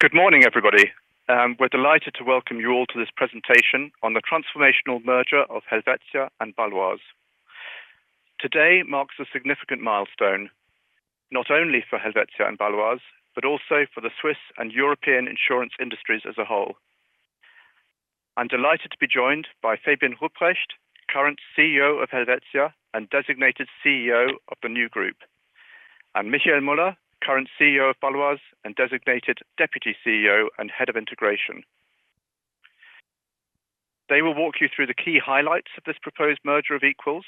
Good morning, everybody. We're delighted to welcome you all to this presentation on the transformational merger of Helvetia and Baloise. Today marks a significant milestone, not only for Helvetia and Baloise, but also for the Swiss and European insurance industries as a whole. I'm delighted to be joined by Fabian Rupprecht, current CEO of Helvetia and designated CEO of the new group, and Michael Müller, current CEO of Baloise and designated Deputy CEO and Head of Integration. They will walk you through the key highlights of this proposed merger of equals.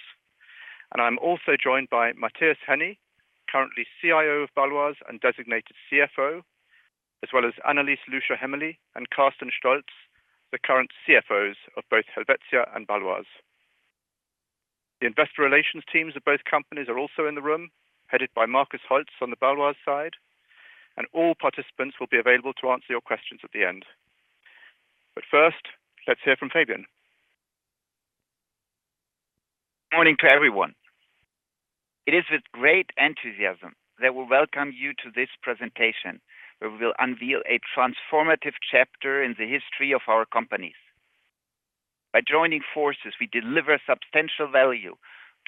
I'm also joined by Matthias Henny, currently CIO of Baloise and designated CFO, as well as Annelis Lüscher Hämmerli and Carsten Stoltz, the current CFOs of both Helvetia and Baloise. The investor relations teams of both companies are also in the room, headed by Markus Holz on the Baloise side. All participants will be available to answer your questions at the end. First, let's hear from Fabian. Good morning to everyone. It is with great enthusiasm that we welcome you to this presentation, where we will unveil a transformative chapter in the history of our companies. By joining forces, we deliver substantial value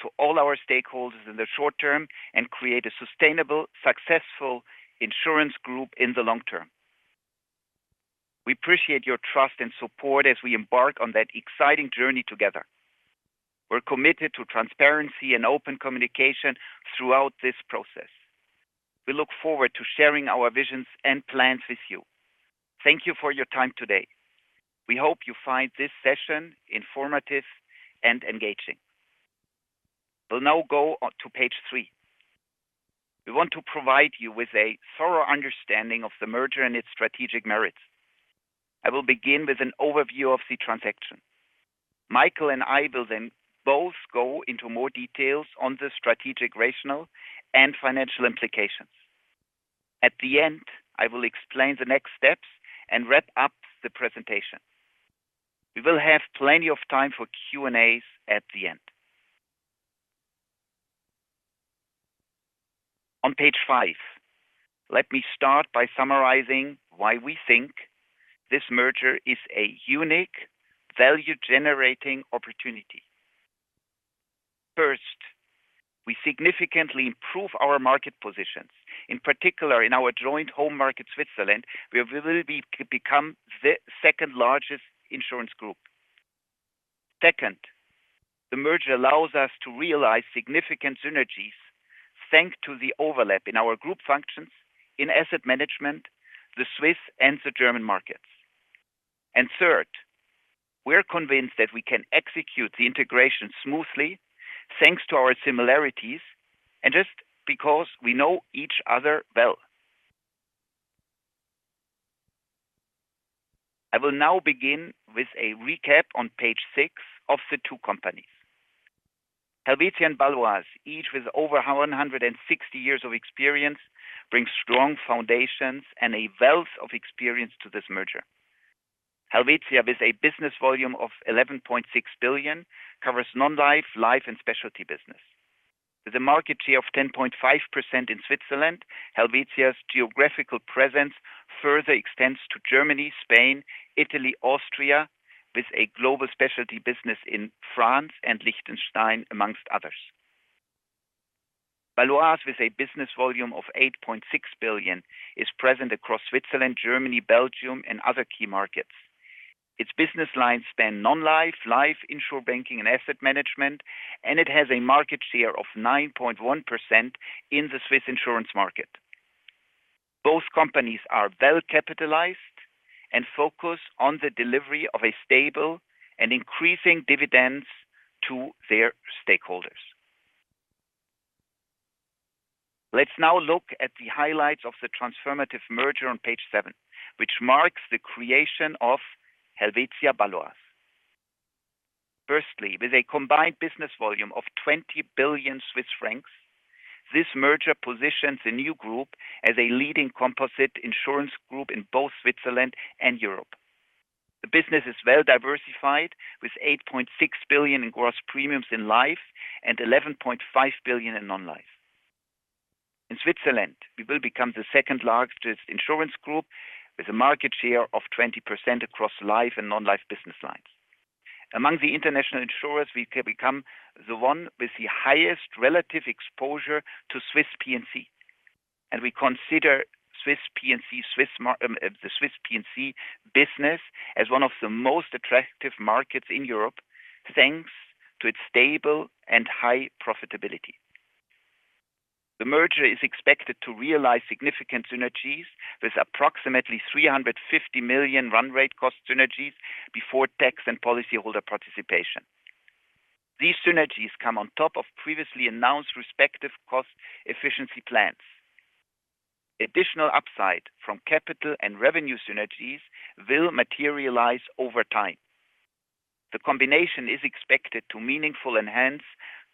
to all our stakeholders in the short term and create a sustainable, successful insurance group in the long term. We appreciate your trust and support as we embark on that exciting journey together. We are committed to transparency and open communication throughout this process. We look forward to sharing our visions and plans with you. Thank you for your time today. We hope you find this session informative and engaging. We will now go to page three. We want to provide you with a thorough understanding of the merger and its strategic merits. I will begin with an overview of the transaction. Michael and I will then both go into more details on the strategic rationale and financial implications. At the end, I will explain the next steps and wrap up the presentation. We will have plenty of time for Q&As at the end. On page five, let me start by summarizing why we think this merger is a unique value-generating opportunity. First, we significantly improve our market positions, in particular in our joint home market, Switzerland, where we will become the second largest insurance group. Second, the merger allows us to realize significant synergies, thanks to the overlap in our group functions in Asset Management, the Swiss and the German markets. Third, we're convinced that we can execute the integration smoothly, thanks to our similarities, and just because we know each other well. I will now begin with a recap on page six of the two companies. Helvetia and Baloise, each with over 160 years of experience, bring strong foundations and a wealth of experience to this merger. Helvetia, with a business volume of 11.6 billion, covers Non-Life, Life, and Specialty business. With a market share of 10.5% in Switzerland, Helvetia's geographical presence further extends to Germany, Spain, Italy, Austria, with a global specialty business in France and Liechtenstein, amongst others. Baloise, with a business volume of 8.6 billion, is present across Switzerland, Germany, Belgium, and other key markets. Its business lines span Non-Life, Life, Insurance Banking, and Asset Management, and it has a market share of 9.1% in the Swiss insurance market. Both companies are well-capitalized and focus on the delivery of a stable and increasing dividends to their stakeholders. Let's now look at the highlights of the transformative merger on page seven, which marks the creation of Helvetia Baloise. Firstly, with a combined business volume of 20 billion Swiss francs, this merger positions the new group as a leading composite insurance group in both Switzerland and Europe. The business is well-diversified, with 8.6 billion in gross premiums in Life and 11.5 billion in Non-Life. In Switzerland, we will become the second largest insurance group, with a market share of 20% across Life and Non-Life business lines. Among the international insurers, we can become the one with the highest relative exposure to Swiss P&C. We consider Swiss P&C business as one of the most attractive markets in Europe, thanks to its stable and high profitability. The merger is expected to realize significant synergies, with approximately 350 million run rate cost synergies before tax and policyholder participation. These synergies come on top of previously announced respective cost efficiency plans. Additional upside from capital and revenue synergies will materialize over time. The combination is expected to meaningfully enhance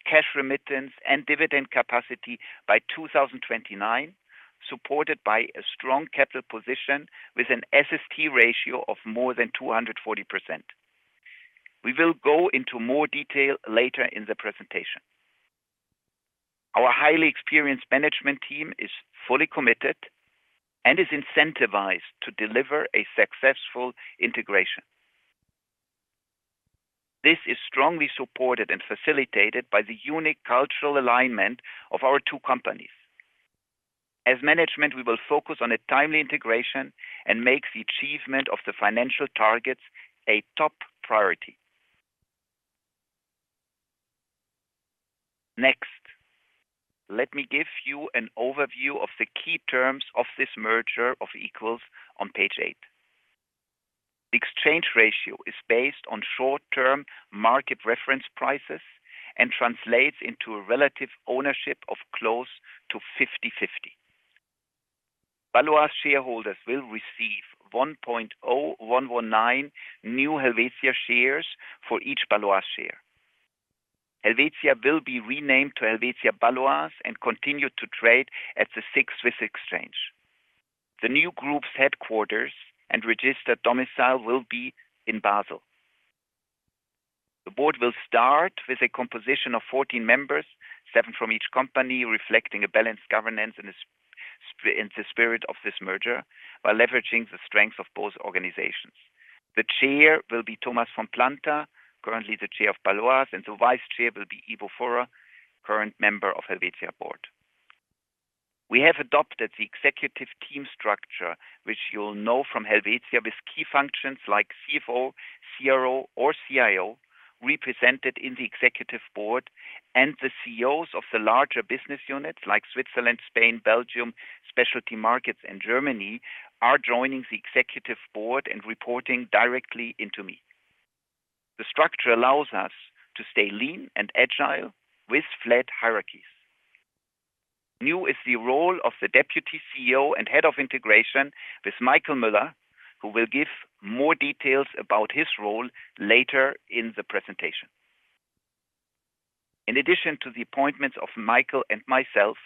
cash remittance and dividend capacity by 2029, supported by a strong capital position with an SST ratio of more than 240%. We will go into more detail later in the presentation. Our highly experienced management team is fully committed and is incentivized to deliver a successful integration. This is strongly supported and facilitated by the unique cultural alignment of our two companies. As management, we will focus on a timely integration and make the achievement of the financial targets a top priority. Next, let me give you an overview of the key terms of this merger of equals on page eight. The exchange ratio is based on short-term market reference prices and translates into a relative ownership of close to 50/50. Baloise shareholders will receive 1.0119 new Helvetia shares for each Baloise share. Helvetia will be renamed to Helvetia Baloise and continue to trade at the SIX Swiss Exchange. The new group's headquarters and registered domicile will be in Basel. The board will start with a composition of 14 members, seven from each company, reflecting a balanced governance in the spirit of this Merger, while leveraging the strengths of both organizations. The Chair will be Thomas von Planta, currently the Chair of Baloise, and the Vice Chair will be Ivo Furrer, current member of Helvetia board. We have adopted the executive team structure, which you'll know from Helvetia, with key functions like CFO, CRO, or CIO represented in the executive board, and the CEOs of the larger business units, like Switzerland, Spain, Belgium, specialty markets, and Germany, are joining the executive board and reporting directly into me. The structure allows us to stay lean and agile with flat hierarchies. New is the role of the Deputy CEO and Head of Integration, with Michael Müller, who will give more details about his role later in the presentation. In addition to the appointments of Michael and myself,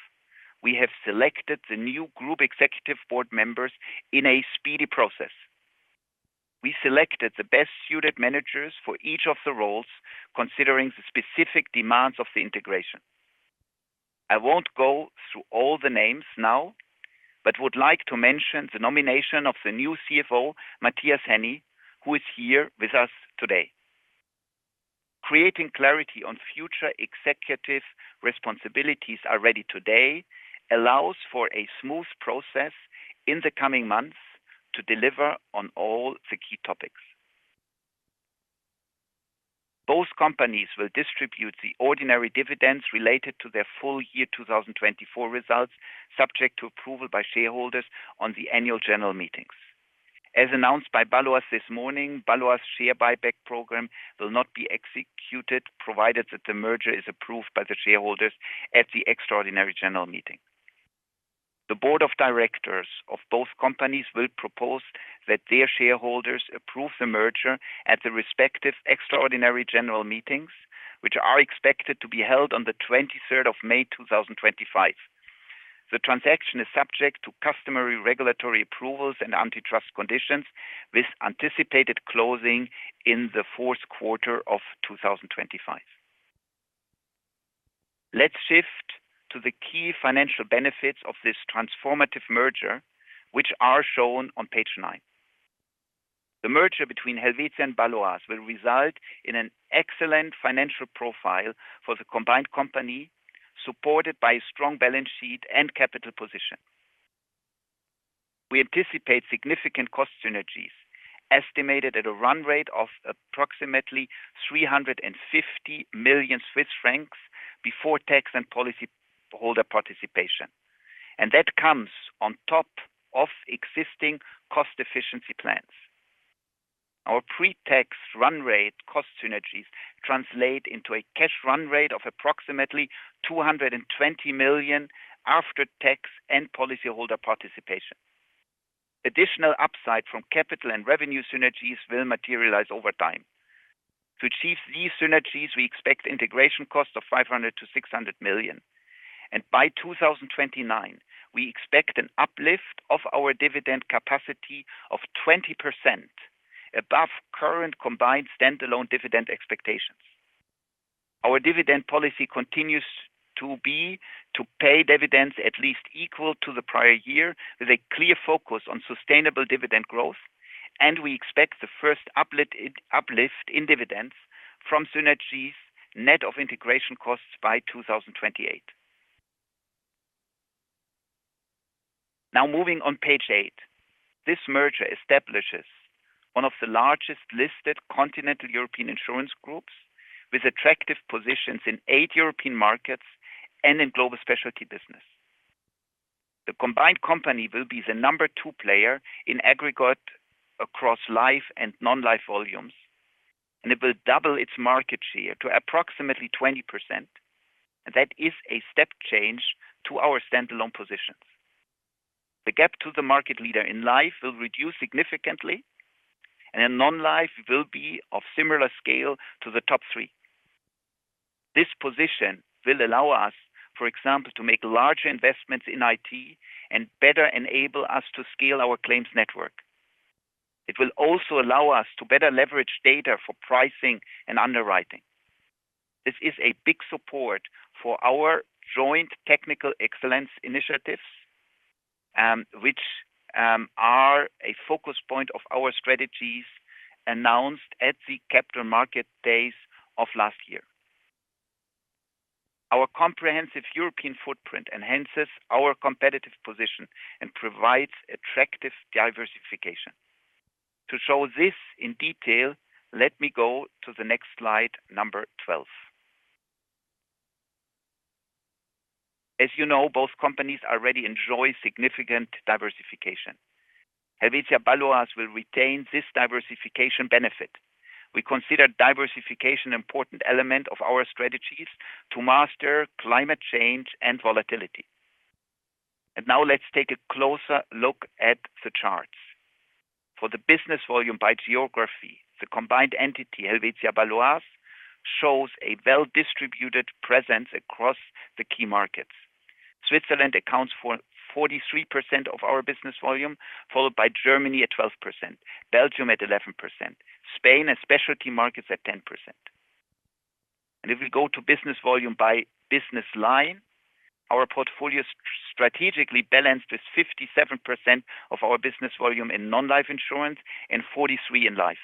we have selected the new Group Executive Board members in a speedy process. We selected the best suited managers for each of the roles, considering the specific demands of the integration. I won't go through all the names now, but would like to mention the nomination of the new CFO, Matthias Henny, who is here with us today. Creating clarity on future executive responsibilities already today allows for a smooth process in the coming months to deliver on all the key topics. Both companies will distribute the ordinary dividends related to their full year 2024 results, subject to approval by shareholders on the annual general meetings. As announced by Baloise this morning, Baloise's share buyback program will not be executed, provided that the merger is approved by the shareholders at the extraordinary general meeting. The Board of Directors of both companies will propose that their shareholders approve the merger at the respective extraordinary general meetings, which are expected to be held on the 23rd of May 2025. The transaction is subject to customary regulatory approvals and antitrust conditions, with anticipated closing in the fourth quarter of 2025. Let's shift to the key financial benefits of this transformative merger, which are shown on page nine. The merger between Helvetia and Baloise will result in an excellent financial profile for the combined company, supported by a strong balance sheet and capital position. We anticipate significant cost synergies estimated at a run rate of approximately 350 million Swiss francs before tax and policyholder participation. That comes on top of existing cost efficiency plans. Our pre-tax run rate cost synergies translate into a cash run rate of approximately 220 million after tax and policyholder participation. Additional upside from capital and revenue synergies will materialize over time. To achieve these synergies, we expect integration costs of 500-600 million. By 2029, we expect an uplift of our dividend capacity of 20% above current combined standalone dividend expectations. Our dividend policy continues to be to pay dividends at least equal to the prior year, with a clear focus on sustainable dividend growth. We expect the first uplift in dividends from synergies net of integration costs by 2028. Now moving on page eight, this merger establishes one of the largest listed continental European insurance groups, with attractive positions in eight European markets and in global specialty business. The combined company will be the number two player in aggregate across Life and Non-Life volumes, and it will double its market share to approximately 20%. That is a step change to our standalone positions. The gap to the market leader in Life will reduce significantly, and in Non-Life, it will be of similar scale to the top three. This position will allow us, for example, to make larger investments in IT and better enable us to scale our claims network. It will also allow us to better leverage data for pricing and underwriting. This is a big support for our joint technical excellence initiatives, which are a focus point of our strategies announced at the Capital Market Days of last year. Our comprehensive European footprint enhances our competitive position and provides attractive diversification. To show this in detail, let me go to the next slide, number 12. As you know, both companies already enjoy significant diversification. Helvetia Baloise will retain this diversification benefit. We consider diversification an important element of our strategies to master climate change and volatility. Now let's take a closer look at the charts. For the business volume by geography, the combined entity Helvetia Baloise shows a well-distributed presence across the key markets. Switzerland accounts for 43% of our business volume, followed by Germany at 12%, Belgium at 11%, Spain and specialty markets at 10%. If we go to business volume by business line, our portfolio is strategically balanced with 57% of our business volume in Non-Life insurance and 43% in Life.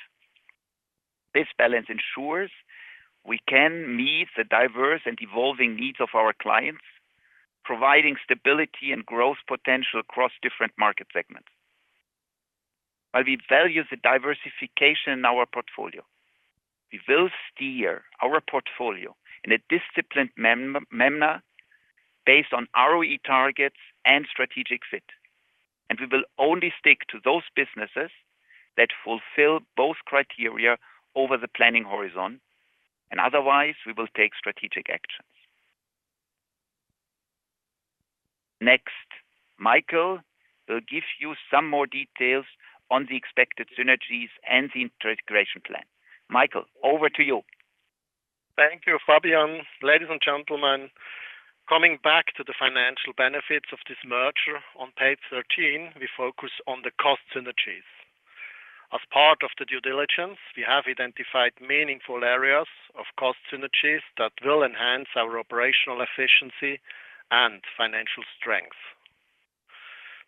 This balance ensures we can meet the diverse and evolving needs of our clients, providing stability and growth potential across different market segments. While we value the diversification in our portfolio, we will steer our portfolio in a disciplined manner based on ROE targets and strategic fit. We will only stick to those businesses that fulfill both criteria over the planning horizon. Otherwise, we will take strategic actions. Next, Michael will give you some more details on the expected synergies and the integration plan. Michael, over to you. Thank you, Fabian. Ladies and gentlemen, coming back to the financial benefits of this merger on page 13, we focus on the cost synergies. As part of the due diligence, we have identified meaningful areas of cost synergies that will enhance our operational efficiency and financial strength.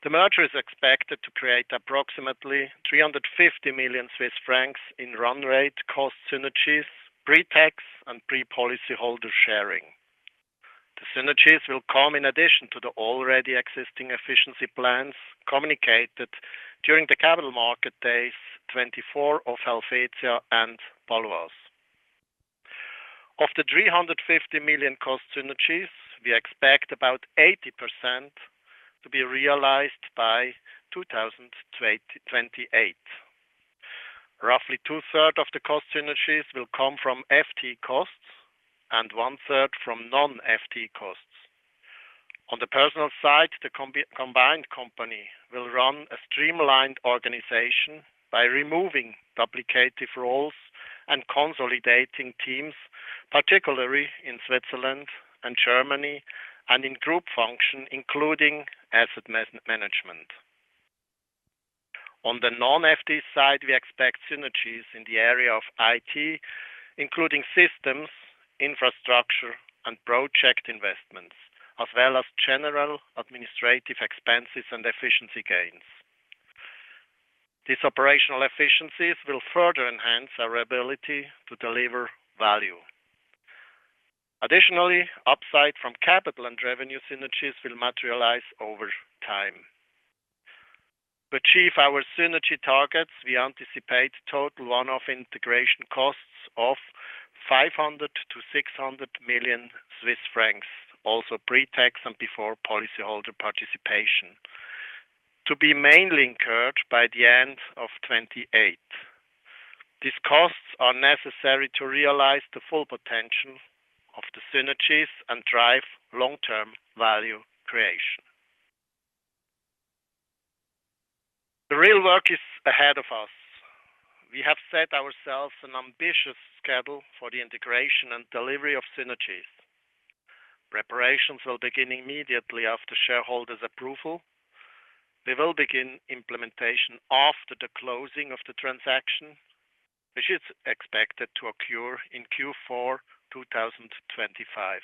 The merger is expected to create approximately 350 million Swiss francs in run rate cost synergies, pre-tax and pre-policyholder sharing. The synergies will come in addition to the already existing efficiency plans communicated during the Capital Market Days, 2024, of Helvetia and Baloise. Of the 350 million cost synergies, we expect about 80% to be realized by 2028. Roughly two-thirds of the cost synergies will come from FTE costs and one-third from non-FTE costs. On the personnel side, the combined company will run a streamlined organization by removing duplicative roles and consolidating teams, particularly in Switzerland and Germany, and in group function, including Asset Management. On the non-FTE side, we expect synergies in the area of IT, including systems, infrastructure, and project investments, as well as general administrative expenses and efficiency gains. These operational efficiencies will further enhance our ability to deliver value. Additionally, upside from capital and revenue synergies will materialize over time. To achieve our synergy targets, we anticipate total one-off integration costs of 500 million-600 million Swiss francs, also pre-tax and before policyholder participation, to be mainly incurred by the end of 2028. These costs are necessary to realize the full potential of the synergies and drive long-term value creation. The real work is ahead of us. We have set ourselves an ambitious schedule for the integration and delivery of synergies. Preparations will begin immediately after shareholders' approval. We will begin implementation after the closing of the transaction, which is expected to occur in Q4 2025.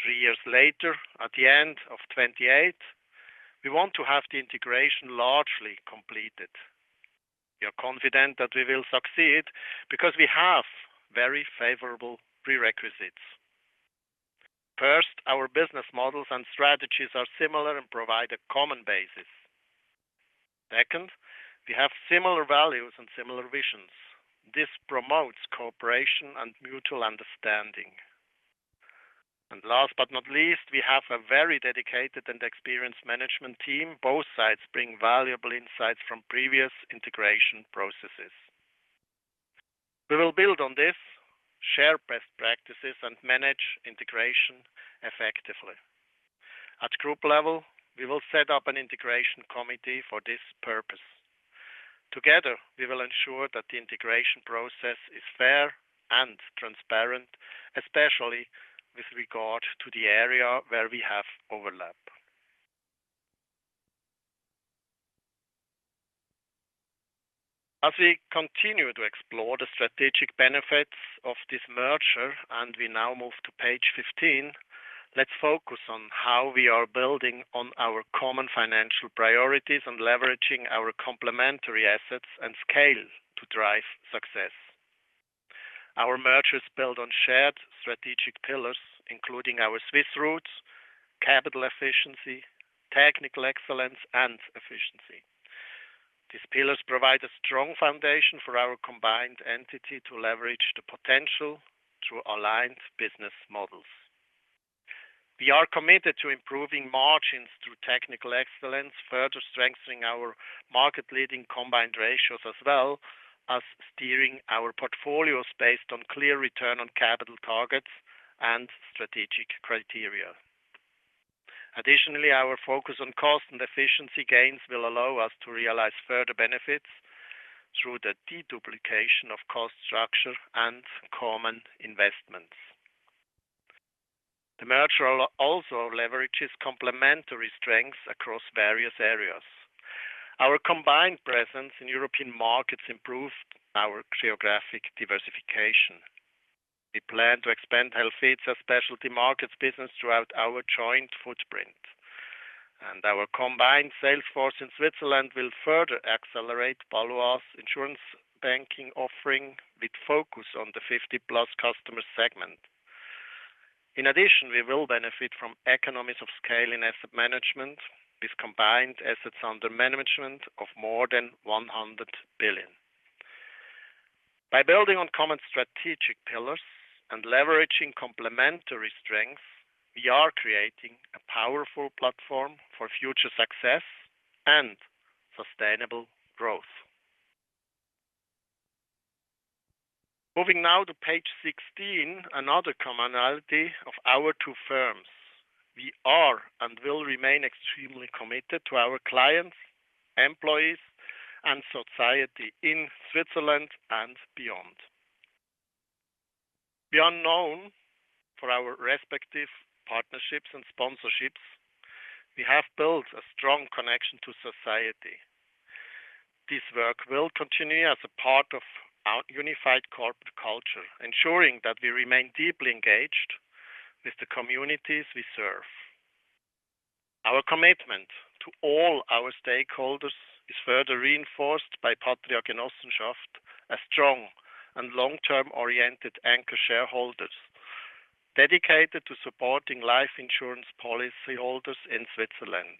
Three years later, at the end of 2028, we want to have the integration largely completed. We are confident that we will succeed because we have very favorable prerequisites. First, our business models and strategies are similar and provide a common basis. Second, we have similar values and similar visions. This promotes cooperation and mutual understanding. Last but not least, we have a very dedicated and experienced management team. Both sides bring valuable insights from previous integration processes. We will build on this, share best practices, and manage integration effectively. At group level, we will set up an integration committee for this purpose. Together, we will ensure that the integration process is fair and transparent, especially with regard to the area where we have overlap. As we continue to explore the strategic benefits of this merger, and we now move to page 15, let's focus on how we are building on our common financial priorities and leveraging our complementary assets and scale to drive success. Our mergers build on shared strategic pillars, including our Swiss roots, capital efficiency, technical excellence, and efficiency. These pillars provide a strong foundation for our combined entity to leverage the potential through aligned business models. We are committed to improving margins through technical excellence, further strengthening our market-leading combined ratios as well as steering our portfolios based on clear return on capital targets and strategic criteria. Additionally, our focus on cost and efficiency gains will allow us to realize further benefits through the deduplication of cost structure and common investments. The merger also leverages complementary strengths across various areas. Our combined presence in European markets improved our geographic diversification. We plan to expand Helvetia's specialty markets business throughout our joint footprint. Our combined sales force in Switzerland will further accelerate Baloise's insurance banking offering with focus on the 50-plus customer segment. In addition, we will benefit from economies of scale in Asset Management with combined assets under management of more than 100 billion. By building on common strategic pillars and leveraging complementary strengths, we are creating a powerful platform for future success and sustainable growth. Moving now to page 16, another commonality of our two firms. We are and will remain extremely committed to our clients, employees, and society in Switzerland and beyond. Known for our respective partnerships and sponsorships, we have built a strong connection to society. This work will continue as a part of our unified corporate culture, ensuring that we remain deeply engaged with the communities we serve. Our commitment to all our stakeholders is further reinforced by Patria Genossenschaft, a strong and long-term oriented anchor shareholder dedicated to supporting ife insurance policyholders in Switzerland.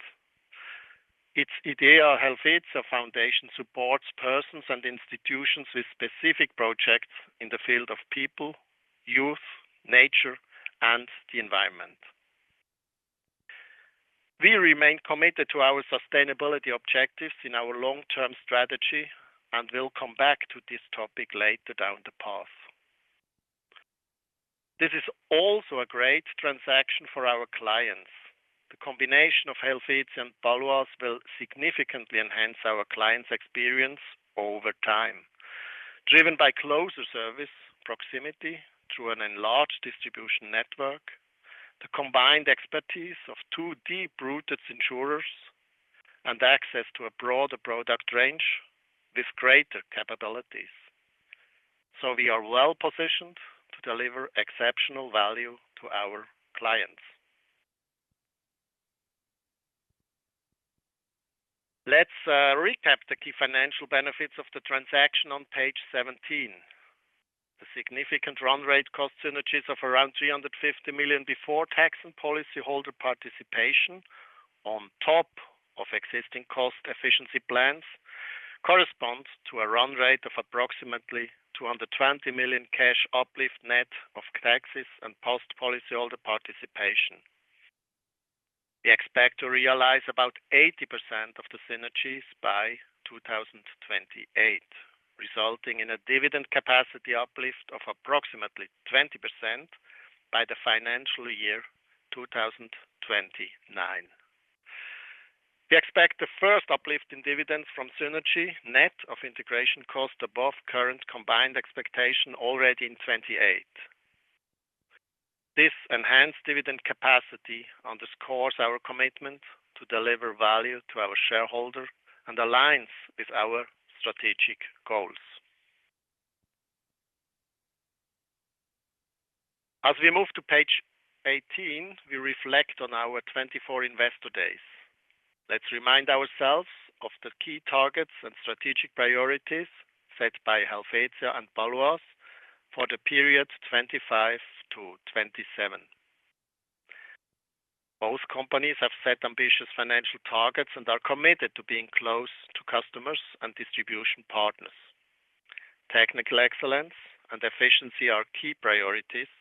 Its idea, Helvetia Foundation, supports persons and institutions with specific projects in the field of people, youth, nature, and the environment. We remain committed to our sustainability objectives in our long-term strategy and will come back to this topic later down the path. This is also a great transaction for our clients. The combination of Helvetia and Baloise will significantly enhance our clients' experience over time. Driven by closer service, proximity through an enlarged distribution network, the combined expertise of two deep-rooted insurers, and access to a broader product range with greater capabilities. We are well positioned to deliver exceptional value to our clients. Let's recap the key financial benefits of the transaction on page 17. The significant run rate cost synergies of around 350 million before tax and policyholder participation on top of existing cost efficiency plans correspond to a run rate of approximately 220 million cash uplift net of taxes and post policyholder participation. We expect to realize about 80% of the synergies by 2028, resulting in a dividend capacity uplift of approximately 20% by the financial year 2029. We expect the first uplift in dividends from synergy net of integration cost above current combined expectation already in 2028. This enhanced dividend capacity underscores our commitment to deliver value to our shareholder and aligns with our strategic goals. As we move to page 18, we reflect on our 2024 investor days. Let's remind ourselves of the key targets and strategic priorities set by Helvetia and Baloise for the period 2025 to 2027. Both companies have set ambitious financial targets and are committed to being close to customers and distribution partners. Technical excellence and efficiency are key priorities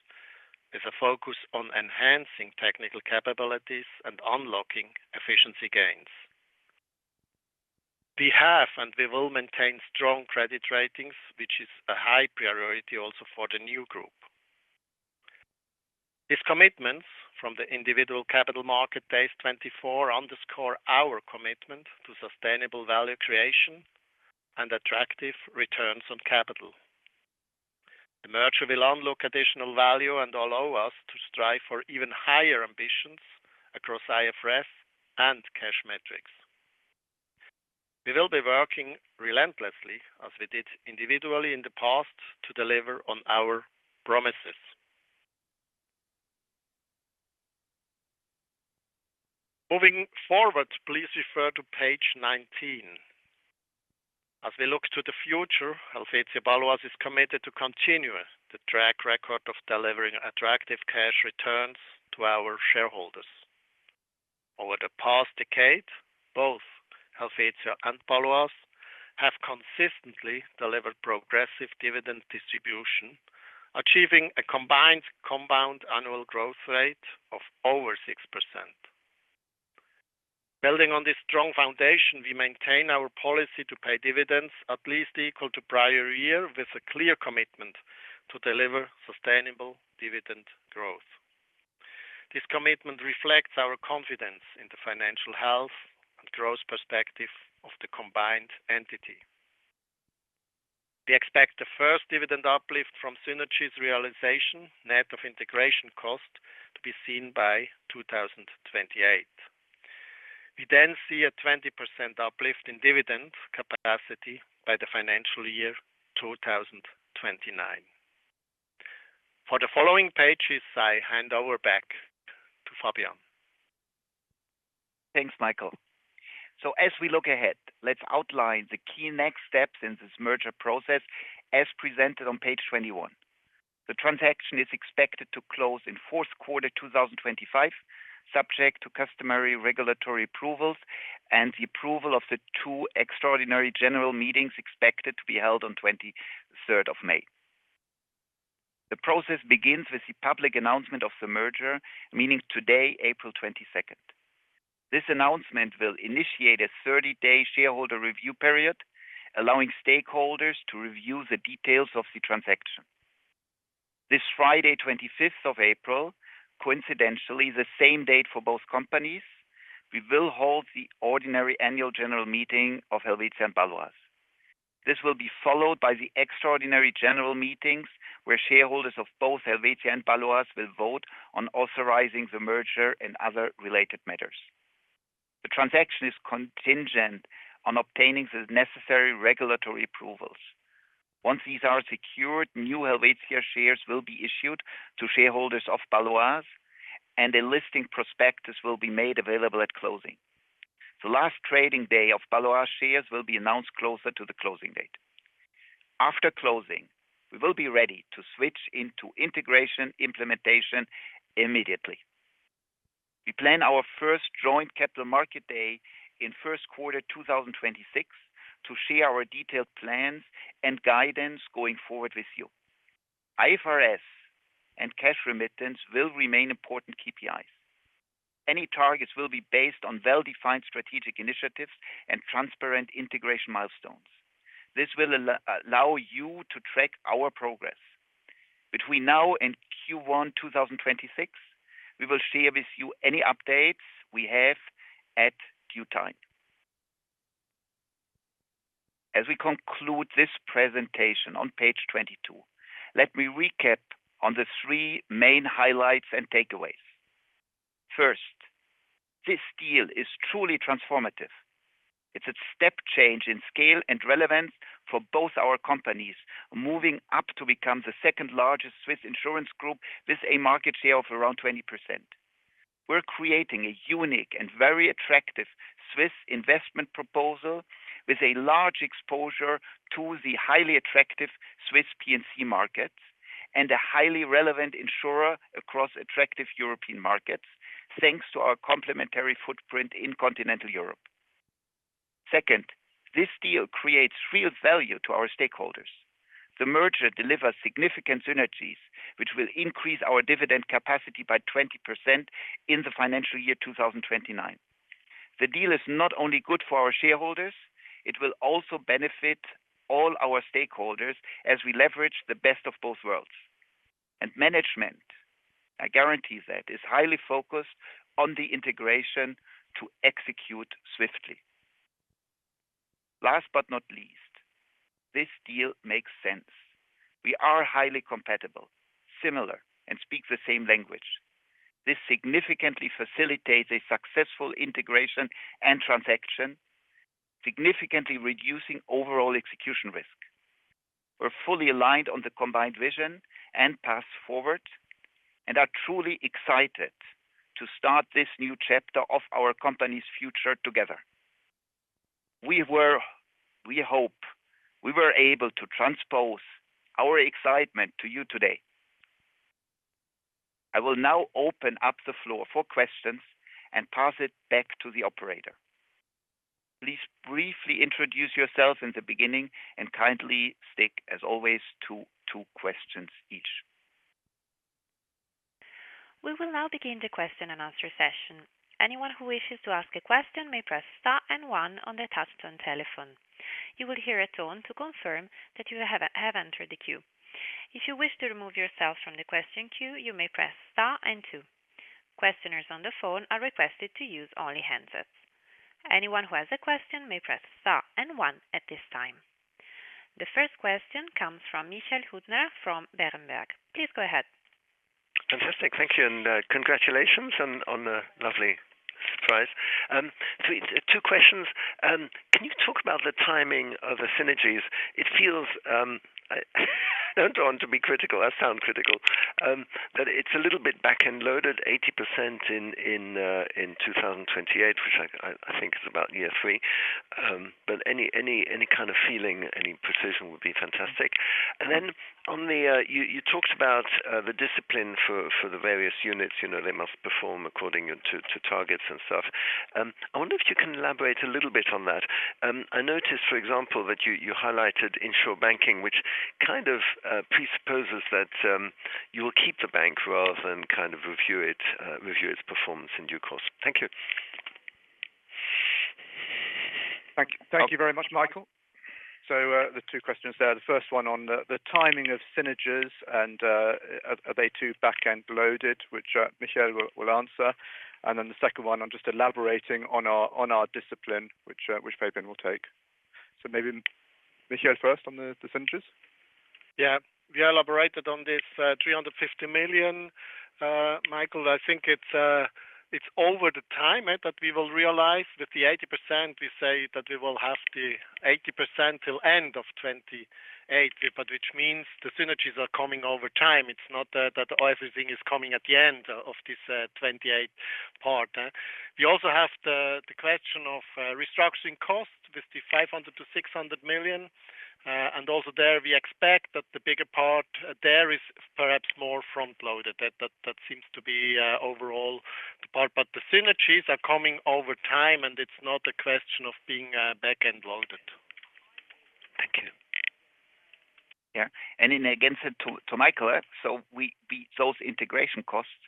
with a focus on enhancing technical capabilities and unlocking efficiency gains. We have and we will maintain strong credit ratings, which is a high priority also for the new group. These commitments from the individual Capital Market Days 2024 underscore our commitment to sustainable value creation and attractive returns on capital. The merger will unlock additional value and allow us to strive for even higher ambitions across IFRS and cash metrics. We will be working relentlessly as we did individually in the past to deliver on our promises. Moving forward, please refer to page 19. As we look to the future, Helvetia Baloise is committed to continue the track record of delivering attractive cash returns to our shareholders. Over the past decade, both Helvetia and Baloise have consistently delivered progressive dividend distribution, achieving a combined compound annual growth rate of over 6%. Building on this strong foundation, we maintain our policy to pay dividends at least equal to prior year with a clear commitment to deliver sustainable dividend growth. This commitment reflects our confidence in the financial health and growth perspective of the combined entity. We expect the first dividend uplift from synergies realization net of integration cost to be seen by 2028. We then see a 20% uplift in dividend capacity by the financial year 2029. For the following pages, I hand over back to Fabian. Thanks, Michael. As we look ahead, let's outline the key next steps in this merger process as presented on page 21. The transaction is expected to close in fourth quarter 2025, subject to customary regulatory approvals and the approval of the two extraordinary general meetings expected to be held on 23rd of May. The process begins with the public announcement of the merger, meaning today, April 22nd. This announcement will initiate a 30-day shareholder review period, allowing stakeholders to review the details of the transaction. This Friday, 25th of April, coincidentally the same date for both companies, we will hold the ordinary annual general meeting of Helvetia and Baloise. This will be followed by the extraordinary general meetings where shareholders of both Helvetia and Baloise will vote on authorizing the merger and other related matters. The transaction is contingent on obtaining the necessary regulatory approvals. Once these are secured, new Helvetia shares will be issued to shareholders of Baloise, and a listing prospectus will be made available at closing. The last trading day of Baloise shares will be announced closer to the closing date. After closing, we will be ready to switch into integration implementation immediately. We plan our first joint Capital Market Day in first quarter 2026 to share our detailed plans and guidance going forward with you. IFRS and cash remittance will remain important KPIs. Any targets will be based on well-defined strategic initiatives and transparent integration milestones. This will allow you to track our progress. Between now and Q1 2026, we will share with you any updates we have at due time. As we conclude this presentation on page 22, let me recap on the three main highlights and takeaways. First, this deal is truly transformative. It's a step change in scale and relevance for both our companies, moving up to become the second largest Swiss insurance group with a market share of around 20%. We're creating a unique and very attractive Swiss investment proposal with a large exposure to the highly attractive Swiss P&C markets and a highly relevant insurer across attractive European markets, thanks to our complementary footprint in continental Europe. Second, this deal creates real value to our stakeholders. The merger delivers significant synergies, which will increase our dividend capacity by 20% in the financial year 2029. The deal is not only good for our shareholders, it will also benefit all our stakeholders as we leverage the best of both worlds. Management, I guarantee that, is highly focused on the integration to execute swiftly. Last but not least, this deal makes sense. We are highly compatible, similar, and speak the same language. This significantly facilitates a successful integration and transaction, significantly reducing overall execution risk. We're fully aligned on the combined vision and path forward and are truly excited to start this new chapter of our company's future together. We hope we were able to transpose our excitement to you today. I will now open up the floor for questions and pass it back to the operator. Please briefly introduce yourself in the beginning and kindly stick, as always, to two questions each. We will now begin the question and answer session. Anyone who wishes to ask a question may press star and one on the touchstone telephone. You will hear a tone to confirm that you have entered the queue. If you wish to remove yourself from the question queue, you may press star and two. Questioners on the phone are requested to use only handsets. Anyone who has a question may press star and one at this time. The first question comes from Michel Huttner from Berenberg. Please go ahead. Fantastic. Thank you. And congratulations on a lovely surprise. Two questions. Can you talk about the timing of the synergies? It feels, do not want to be critical, I sound critical, that it is a little bit back and loaded, 80% in 2028, which I think is about year three. But any kind of feeling, any precision would be fantastic. And then on the you talked about the discipline for the various units. They must perform according to targets and stuff. I wonder if you can elaborate a little bit on that. I noticed, for example, that you highlighted insurance banking, which kind of presupposes that you will keep the bank rather than kind of review its performance in due course. Thank you. Thank you very much, Michael. So the two questions there. The first one on the timing of synergies and are they too back and loaded, which Michael will answer. The second one on just elaborating on our discipline, which Fabian will take. Maybe Michael first on the synergies. Yeah. We elaborated on this 350 million. Michael, I think it's over the time that we will realize with the 80%. We say that we will have the 80% till end of 2028, which means the synergies are coming over time. It's not that everything is coming at the end of this 2028 part. We also have the question of restructuring cost with the 500-600 million. Also there, we expect that the bigger part there is perhaps more front-loaded. That seems to be overall the part. The synergies are coming over time, and it's not a question of being back and loaded. Thank you. Yeah. In the against to Michael, those integration costs,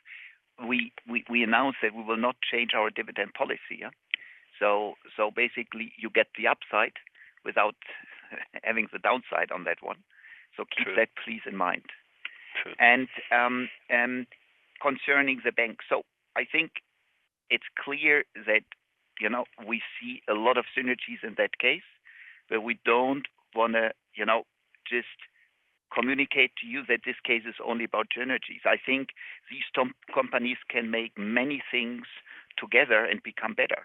we announced that we will not change our dividend policy. Basically, you get the upside without having the downside on that one. Keep that please in mind. Concerning the bank, I think it's clear that we see a lot of synergies in that case, but we don't want to just communicate to you that this case is only about synergies. I think these companies can make many things together and become better.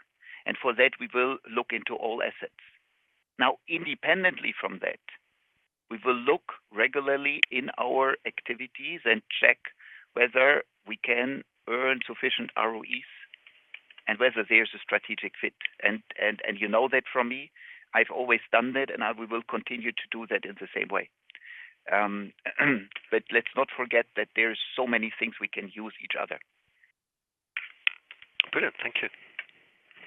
For that, we will look into all assets. Now, independently from that, we will look regularly in our activities and check whether we can earn sufficient ROEs and whether there's a strategic fit. You know that from me. I've always done that, and we will continue to do that in the same way. Let's not forget that there are so many things we can use each other. Brilliant. Thank you.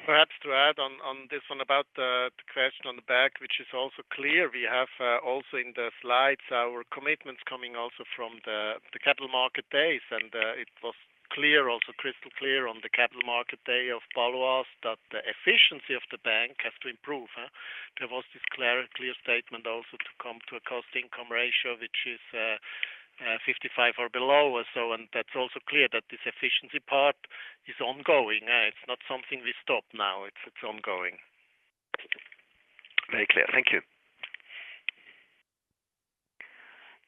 Perhaps to add on this one about the question on the back, which is also clear. We have also in the slides our commitments coming also from the Capital Market Days. It was clear, also crystal clear on the Capital Market Day of Baloise, that the efficiency of the bank has to improve. There was this clear statement also to come to a cost-income ratio, which is 55% or below. It's also clear that this efficiency part is ongoing. It's not something we stop now. It's ongoing. Very clear. Thank you.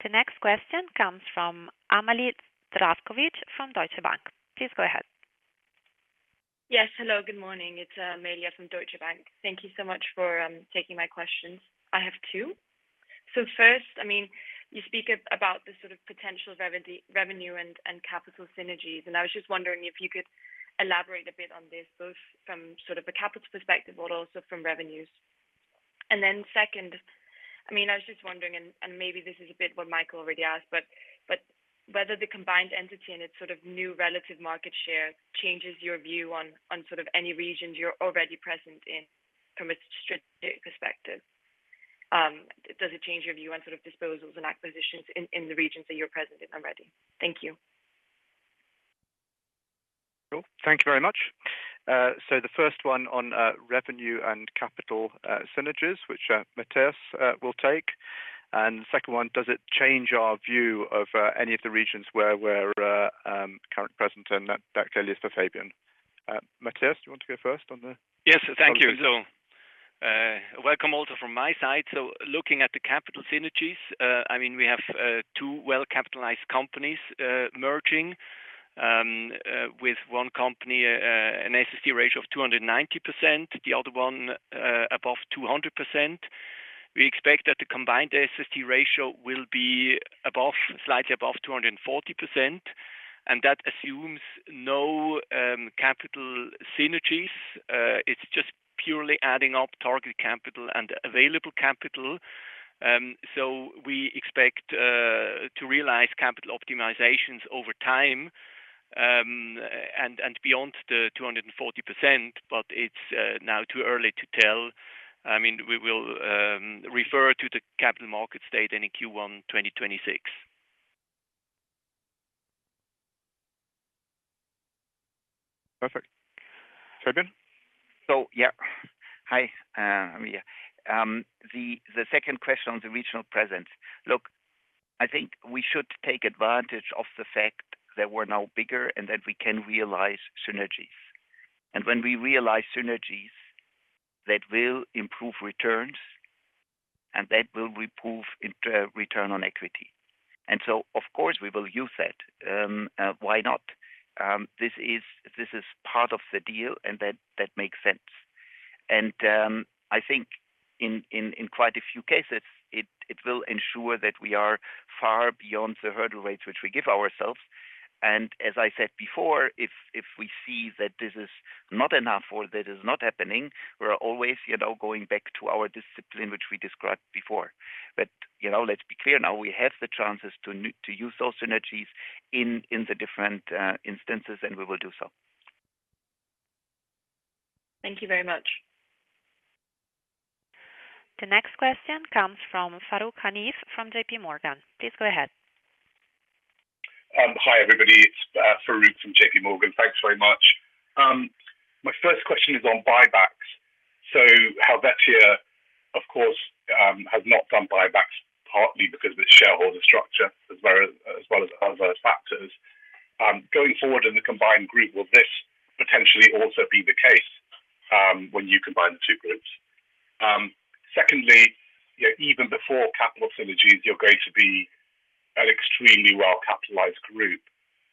The next question comes from Amelie Zdravkovic from Deutsche Bank. Please go ahead. Yes. Hello. Good morning. It's Amelie from Deutsche Bank. Thank you so much for taking my questions. I have two. First, I mean, you speak about the sort of potential revenue and capital synergies. I was just wondering if you could elaborate a bit on this, both from sort of a capital perspective but also from revenues. Second, I mean, I was just wondering, and maybe this is a bit what Michael already asked, whether the combined entity and its sort of new relative market share changes your view on sort of any regions you're already present in from a strategic perspective. Does it change your view on sort of disposals and acquisitions in the regions that you're present in already? Thank you. Cool. Thank you very much. The first one on revenue and capital synergies, which Matthias will take. The second one, does it change our view of any of the regions where we're currently present? That clearly is for Fabian. Matthias, do you want to go first on the? Yes. Thank you. Welcome also from my side. Looking at the capital synergies, I mean, we have two well-capitalized companies merging with one company, an SST ratio of 290%, the other one above 200%. We expect that the combined SST ratio will be slightly above 240%. That assumes no capital synergies. It is just purely adding up target capital and available capital. We expect to realize capital optimizations over time and beyond the 240%, but it is now too early to tell. I mean, we will refer to the Capital Markets Day in Q1 2026. Perfect. Fabian? Yeah. The second question on the regional presence. Look, I think we should take advantage of the fact that we are now bigger and that we can realize synergies. When we realize synergies, that will improve returns and that will improve return on equity. Of course, we will use that. Why not? This is part of the deal, and that makes sense. I think in quite a few cases, it will ensure that we are far beyond the hurdle rates which we give ourselves. As I said before, if we see that this is not enough or that is not happening, we're always going back to our discipline, which we described before. Let's be clear now, we have the chances to use those synergies in the different instances, and we will do so. Thank you very much. The next question comes from Farouk Hanif from JP Morgan. Please go ahead. Hi everybody. It's Farooq from JP Morgan. Thanks very much. My first question is on buybacks. Helvetia, of course, has not done buybacks, partly because of its shareholder structure as well as other factors. Going forward in the combined group, will this potentially also be the case when you combine the two groups? Secondly, even before capital synergies, you're going to be an extremely well-capitalized group.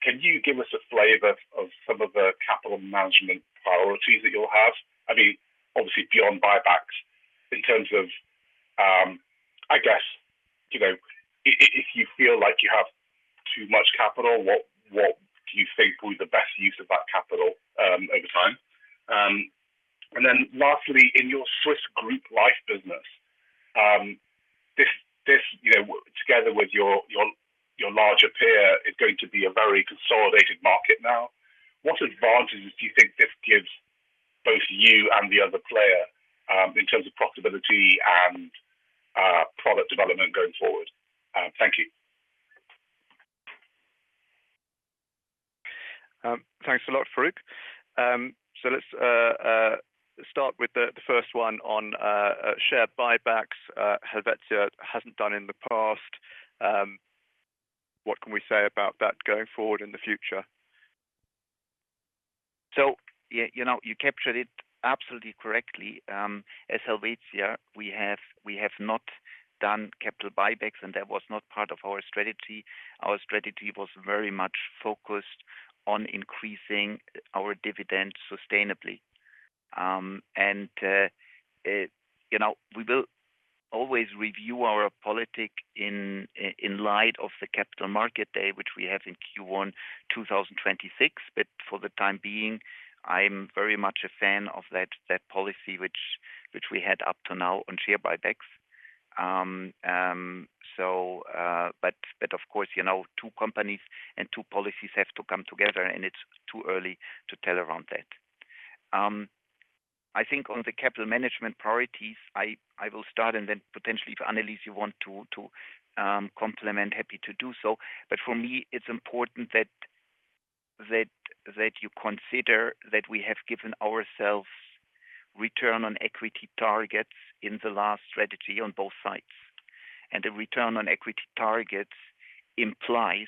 Can you give us a flavor of some of the capital management priorities that you'll have? I mean, obviously, beyond buybacks, in terms of, I guess, if you feel like you have too much capital, what do you think will be the best use of that capital over time? Lastly, in your Swiss group life business, together with your larger peer, it's going to be a very consolidated market now. What advantages do you think this gives both you and the other player in terms of profitability and product development going forward? Thank you. Thanks a lot, Farooq. Let's start with the first one on share buybacks. Helvetia hasn't done in the past. What can we say about that going forward in the future? You captured it absolutely correctly. As Helvetia, we have not done capital buybacks, and that was not part of our strategy. Our strategy was very much focused on increasing our dividend sustainably. We will always review our policy in light of the Capital Market Day, which we have in Q1 2026. For the time being, I'm very much a fan of that policy which we had up to now on share buybacks. Of course, two companies and two policies have to come together, and it's too early to tell around that. I think on the capital management priorities, I will start, and then potentially, if Annelis, you want to complement, happy to do so. For me, it's important that you consider that we have given ourselves return on equity targets in the last strategy on both sides. The return on equity targets implies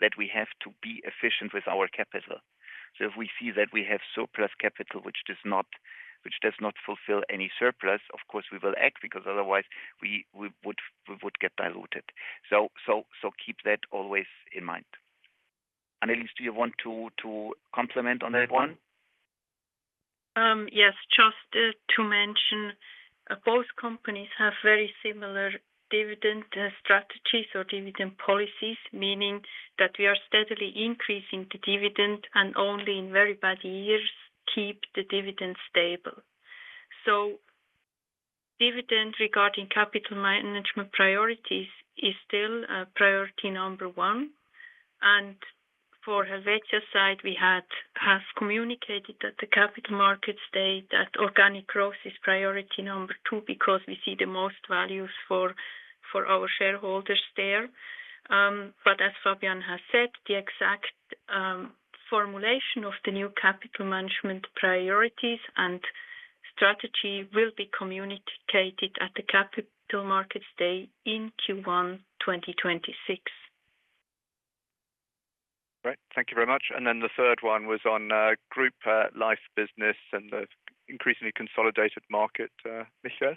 that we have to be efficient with our capital. If we see that we have surplus capital, which does not fulfill any surplus, of course, we will act because otherwise we would get diluted. Keep that always in mind. Annelis, do you want to complement on that one? Yes. Just to mention, both companies have very similar dividend strategies or dividend policies, meaning that we are steadily increasing the dividend and only in very bad years keep the dividend stable. Dividend regarding capital management priorities is still priority number one. For Helvetia's side, we have communicated at the Capital Markets Day that organic growth is priority number two because we see the most values for our shareholders there. As Fabian has said, the exact formulation of the new capital management priorities and strategy will be communicated at the Capital Markets Day in Q1 2026. Great. Thank you very much. The third one was on group life business and the increasingly consolidated market, Michael?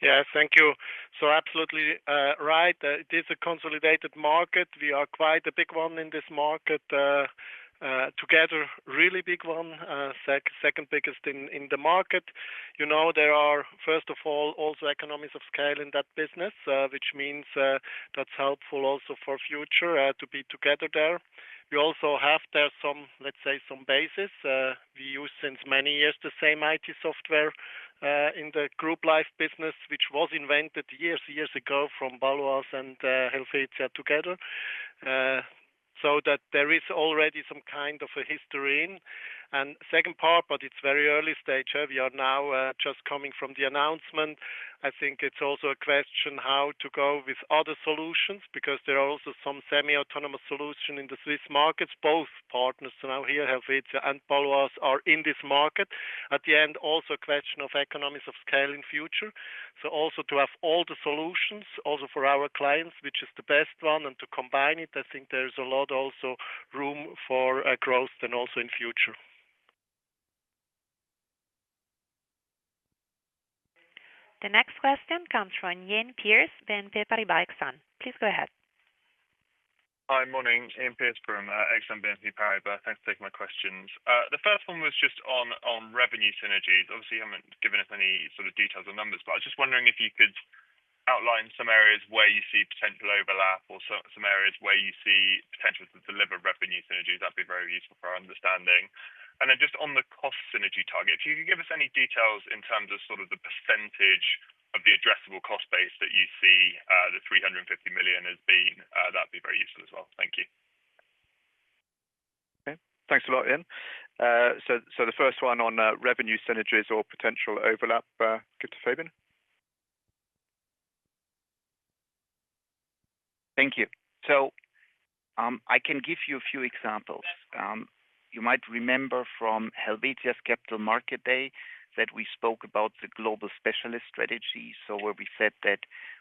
Yeah. Thank you. Absolutely right. It is a consolidated market. We are quite a big one in this market together, really big one, second biggest in the market. There are, first of all, also economies of scale in that business, which means that is helpful also for future to be together there. We also have there, let's say, some basis. We use since many years the same IT software in the group life business, which was invented years and years ago from Baloise and Helvetia together. There is already some kind of a history in. The second part, but it's very early stage. We are now just coming from the announcement. I think it's also a question how to go with other solutions because there are also some semi-autonomous solutions in the Swiss markets. Both partners now here, Helvetia and Baloise, are in this market. At the end, also a question of economies of scale in future. Also to have all the solutions also for our clients, which is the best one, and to combine it, I think there's a lot also room for growth and also in future. The next question comes from Iain Pearce, BNP Paribas Exane. Please go ahead. Hi. Morning. Iain Pearce from Exane BNP Paribas. Thanks for taking my questions. The first one was just on revenue synergies. Obviously, you have not given us any sort of details or numbers, but I was just wondering if you could outline some areas where you see potential overlap or some areas where you see potential to deliver revenue synergies. That would be very useful for our understanding. Then just on the cost synergy target, if you could give us any details in terms of the percentage of the addressable cost base that you see the 350 million as being, that would be very useful as well. Thank you. Okay. Thanks a lot, Iain. The first one on revenue synergies or potential overlap, give to Fabian. Thank you. I can give you a few examples. You might remember from Helvetia's Capital Market Day that we spoke about the global specialist strategy, where we said that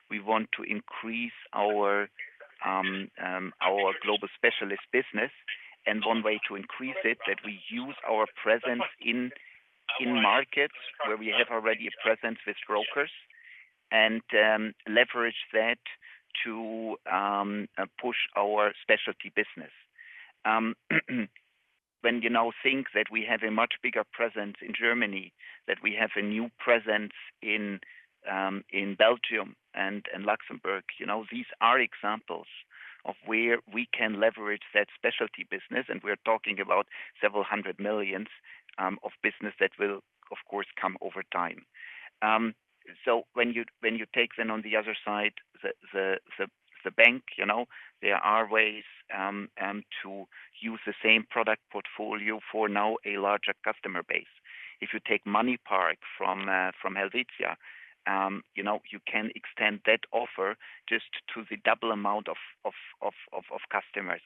we want to increase our global specialist business. One way to increase it is that we use our presence in markets where we already have a presence with brokers and leverage that to push our specialty business. When you now think that we have a much bigger presence in Germany, that we have a new presence in Belgium and Luxembourg, these are examples of where we can leverage that specialty business. We are talking about several hundred million of business that will, of course, come over time. When you take then on the other side, the bank, there are ways to use the same product portfolio for now a larger customer base. If you take MoneyPark from Helvetia, you can extend that offer just to the double amount of customers.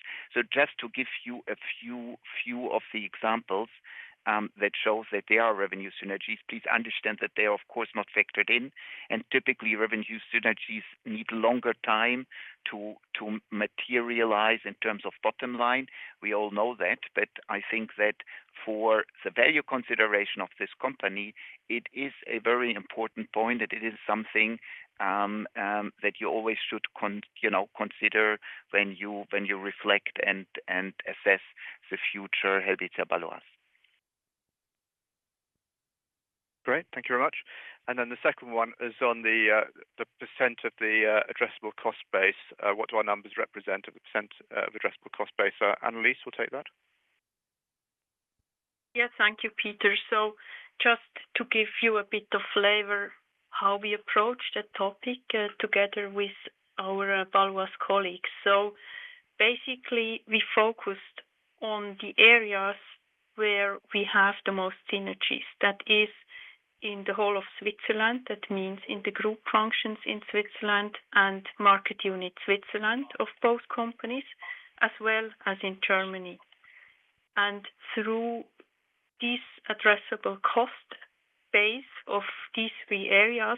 Just to give you a few of the examples that show that there are revenue synergies, please understand that they are, of course, not factored in. Typically, revenue synergies need longer time to materialize in terms of bottom line. We all know that. I think that for the value consideration of this company, it is a very important point that it is something that you always should consider when you reflect and assess the future Helvetia Baloise. Great. Thank you very much. The second one is on the % of the addressable cost base. What do our numbers represent of the % of addressable cost base? Annelis, we'll take that. Yes. Thank you, Peter. Just to give you a bit of flavor how we approached that topic together with our Baloise colleagues. Basically, we focused on the areas where we have the most synergies. That is in the whole of Switzerland. That means in the group functions in Switzerland and market unit Switzerland of both companies as well as in Germany. Through this addressable cost base of these three areas,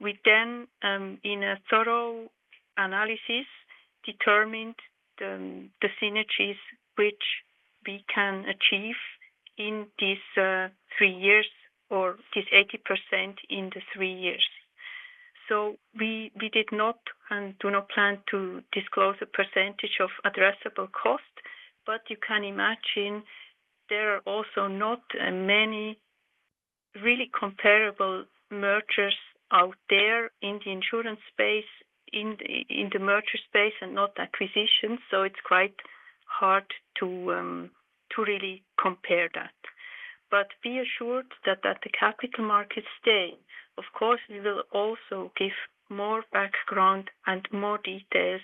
we then, in a thorough analysis, determined the synergies which we can achieve in these three years or this 80% in the three years. We did not and do not plan to disclose a percentage of addressable cost, but you can imagine there are also not many really comparable mergers out there in the insurance space, in the merger space, and not acquisitions. It is quite hard to really compare that. Be assured that at the capital market stage, of course, we will also give more background and more details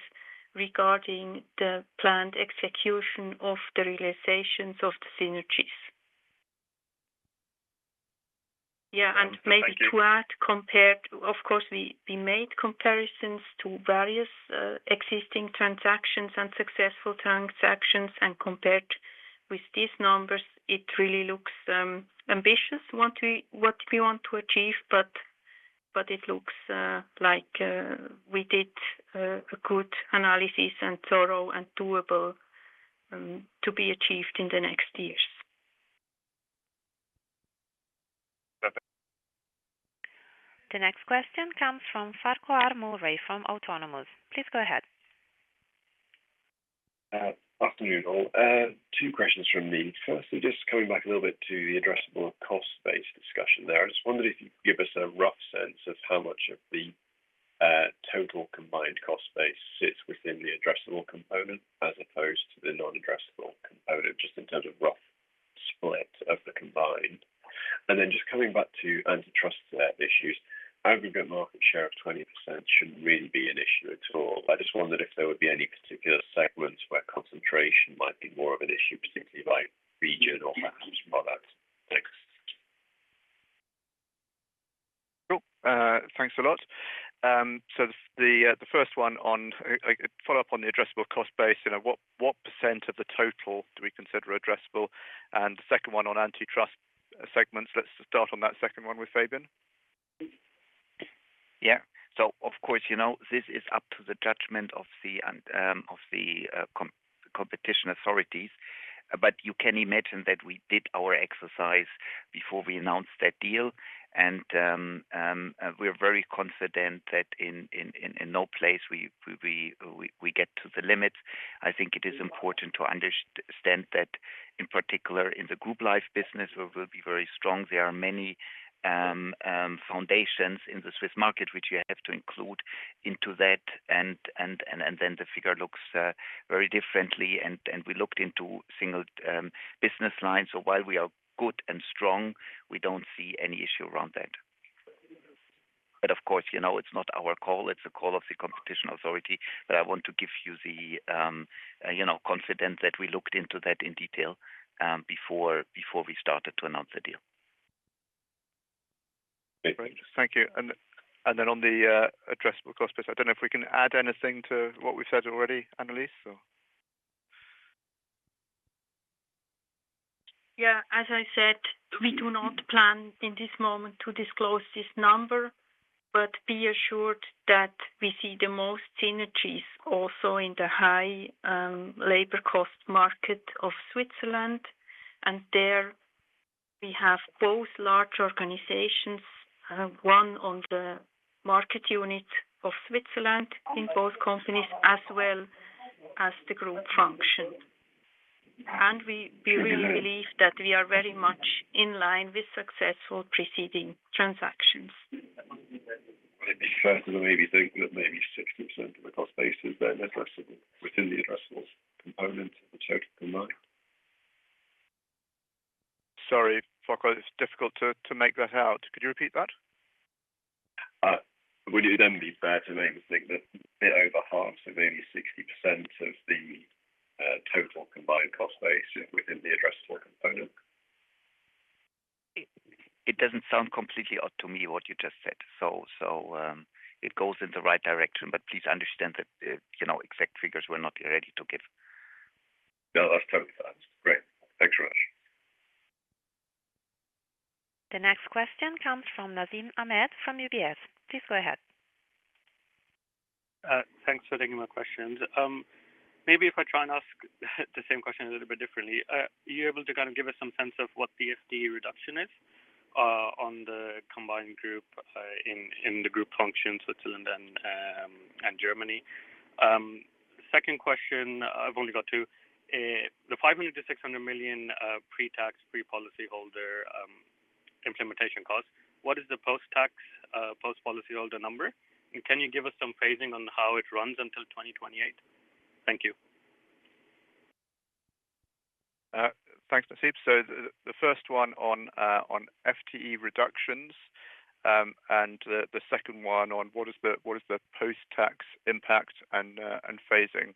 regarding the planned execution of the realizations of the synergies. Yeah. Maybe to add, compared, of course, we made comparisons to various existing transactions and successful transactions, and compared with these numbers, it really looks ambitious what we want to achieve, but it looks like we did a good analysis and thorough and doable to be achieved in the next years. Perfect. The next question comes from Farquhar Murray from Autonomous. Please go ahead. Afternoon, all. Two questions from me. Firstly, just coming back a little bit to the addressable cost base discussion there. I just wondered if you could give us a rough sense of how much of the total combined cost base sits within the addressable component as opposed to the non-addressable component, just in terms of rough split of the combined. I just wondered if there would be any particular segments where concentration might be more of an issue, particularly by region or perhaps product. Thanks. Cool. Thanks a lot. The first one on follow-up on the addressable cost base, what percent of the total do we consider addressable? The second one on antitrust segments. Let's start on that second one with Fabian. Yeah. Of course, this is up to the judgment of the competition authorities, but you can imagine that we did our exercise before we announced that deal. We are very confident that in no place we get to the limit. I think it is important to understand that, in particular, in the group life business, where we will be very strong, there are many foundations in the Swiss market which you have to include into that. Then the figure looks very differently. We looked into single business lines. While we are good and strong, we do not see any issue around that. Of course, it is not our call. It is a call of the competition authority. I want to give you the confidence that we looked into that in detail before we started to announce the deal. Great. Thank you. On the addressable cost base, I do not know if we can add anything to what we have said already, Annelis, or? Yeah. As I said, we do not plan in this moment to disclose this number, but be assured that we see the most synergies also in the high labor cost market of Switzerland. There we have both large organizations, one on the market unit of Switzerland in both companies as well as the group function. We really believe that we are very much in line with successful preceding transactions. Maybe further away, we think that maybe 60% of the cost base is then addressable within the addressable component of the total combined. Sorry, Farquhar, it is difficult to make that out. Could you repeat that? Would it then be fair to make the thing that a bit over half of only 60% of the total combined cost base is within the addressable component? It does not sound completely odd to me what you just said. It goes in the right direction, but please understand that exact figures we are not ready to give. No, that is totally fine. Great. Thanks very much. The next question comes from Nasib Ahmed from UBS. Please go ahead. Thanks for taking my questions. Maybe if I try and ask the same question a little bit differently, are you able to kind of give us some sense of what the FTE reduction is on the combined group in the group function, Switzerland and Germany? Second question, I have only got two. The 500 million-600 million pre-tax, pre-policy holder implementation cost, what is the post-tax, post-policy holder number? Can you give us some phasing on how it runs until 2028? Thank you. Thanks, Nasib. The first one on FTE reductions and the second one on what is the post-tax impact and phasing.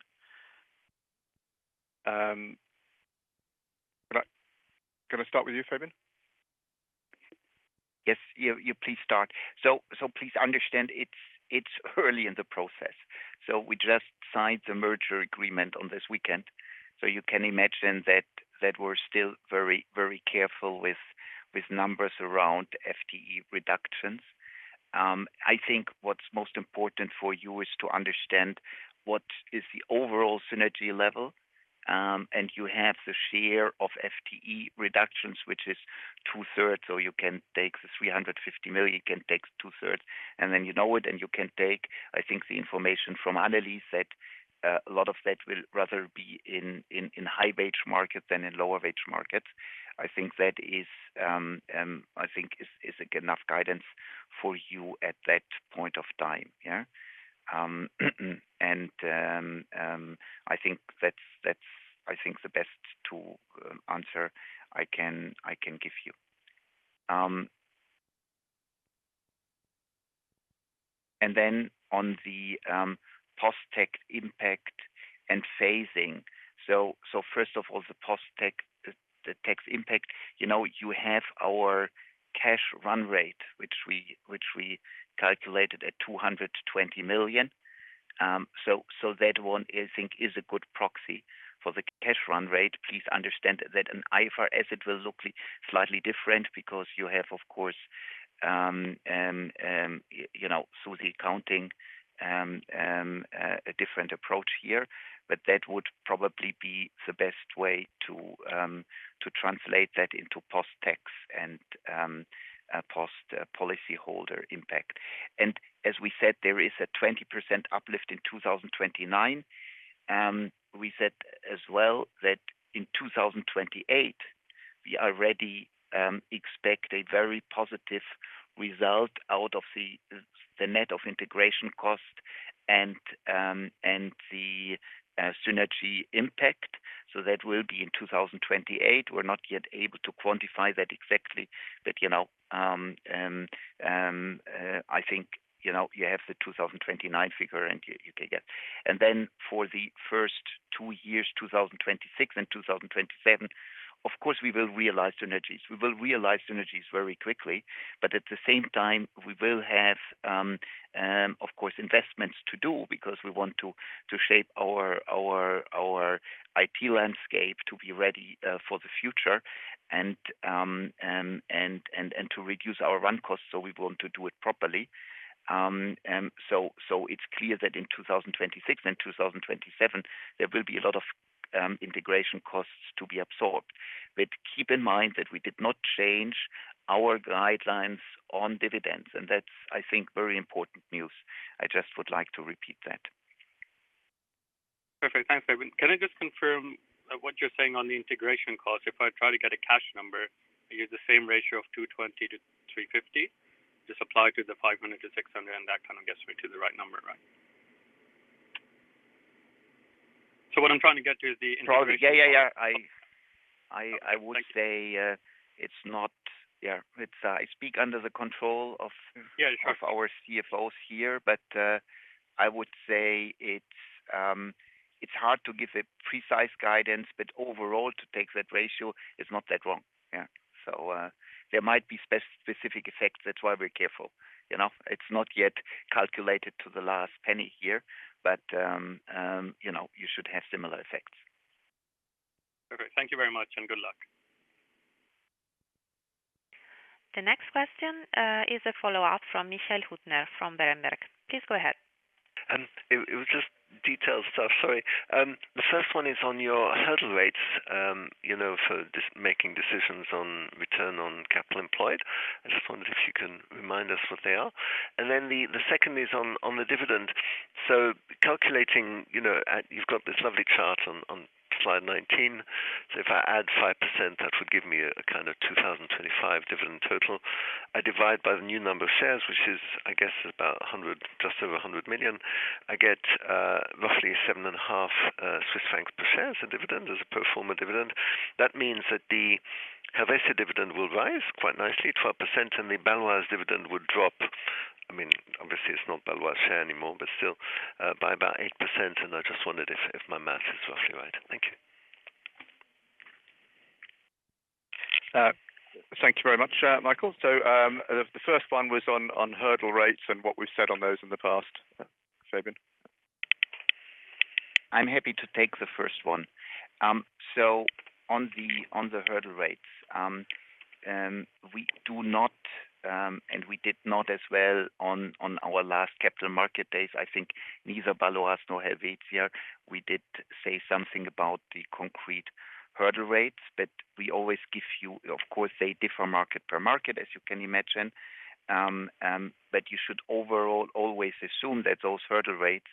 Can I start with you, Fabian? Yes. You please start. Please understand it's early in the process. We just signed the merger agreement this weekend. You can imagine that we're still very, very careful with numbers around FTE reductions. I think what's most important for you is to understand what is the overall synergy level. You have the share of FTE reductions, which is two-thirds. You can take the 350 million, you can take two-thirds. Then you know it, and you can take, I think, the information from Annelis that a lot of that will rather be in high wage markets than in lower wage markets. I think that is, I think, enough guidance for you at that point of time. Yeah. I think that's, I think, the best answer I can give you. On the post-tax impact and phasing, first of all, the post-tax impact, you have our cash run rate, which we calculated at 220 million. That one, I think, is a good proxy for the cash run rate. Please understand that in IFRS, it will look slightly different because you have, of course, through the accounting, a different approach here. That would probably be the best way to translate that into post-tax and post-policy holder impact. As we said, there is a 20% uplift in 2029. We said as well that in 2028, we already expect a very positive result out of the net of integration cost and the synergy impact. That will be in 2028. We're not yet able to quantify that exactly. I think you have the 2029 figure, and you can get. For the first two years, 2026 and 2027, of course, we will realize synergies. We will realize synergies very quickly. At the same time, we will have, of course, investments to do because we want to shape our IT landscape to be ready for the future and to reduce our run costs. We want to do it properly. It's clear that in 2026 and 2027, there will be a lot of integration costs to be absorbed. Keep in mind that we did not change our guidelines on dividends. That's, I think, very important news. I just would like to repeat that. Perfect. Thanks, Fabian. Can I just confirm what you're saying on the integration cost? If I try to get a cash number, you're the same ratio of 220 to 350? Just apply to the 500-600, and that kind of gets me to the right number, right? What I'm trying to get to is the integration. Sorry. Yeah, yeah, yeah. I would say it's not, yeah. I speak under the control of our CFOs here, but I would say it's hard to give a precise guidance, but overall, to take that ratio, it's not that wrong. Yeah. There might be specific effects. That's why we're careful. It's not yet calculated to the last penny here, but you should have similar effects. Perfect. Thank you very much, and good luck. The next question is a follow-up from Michael Huttner from Berenberg. Please go ahead. It was just detailed stuff. Sorry. The first one is on your hurdle rates for making decisions on return on capital employed. I just wondered if you can remind us what they are. The second is on the dividend. Calculating, you've got this lovely chart on slide 19. If I add 5%, that would give me a kind of 2025 dividend total. I divide by the new number of shares, which is, I guess, just over 100 million. I get roughly 7.5 Swiss francs per share as a dividend, as a pro forma dividend. That means that the Helvetia dividend will rise quite nicely, 12%, and the Baloise dividend would drop. I mean, obviously, it's not Baloise share anymore, but still by about 8%. I just wondered if my math is roughly right. Thank you. Thank you very much, Michael. The first one was on hurdle rates and what we've said on those in the past, Fabian. I'm happy to take the first one. On the hurdle rates, we do not, and we did not as well on our last Capital Market Days, I think neither Baloise nor Helvetia. We did say something about the concrete hurdle rates, but we always give you, of course, they differ market per market, as you can imagine. You should overall always assume that those hurdle rates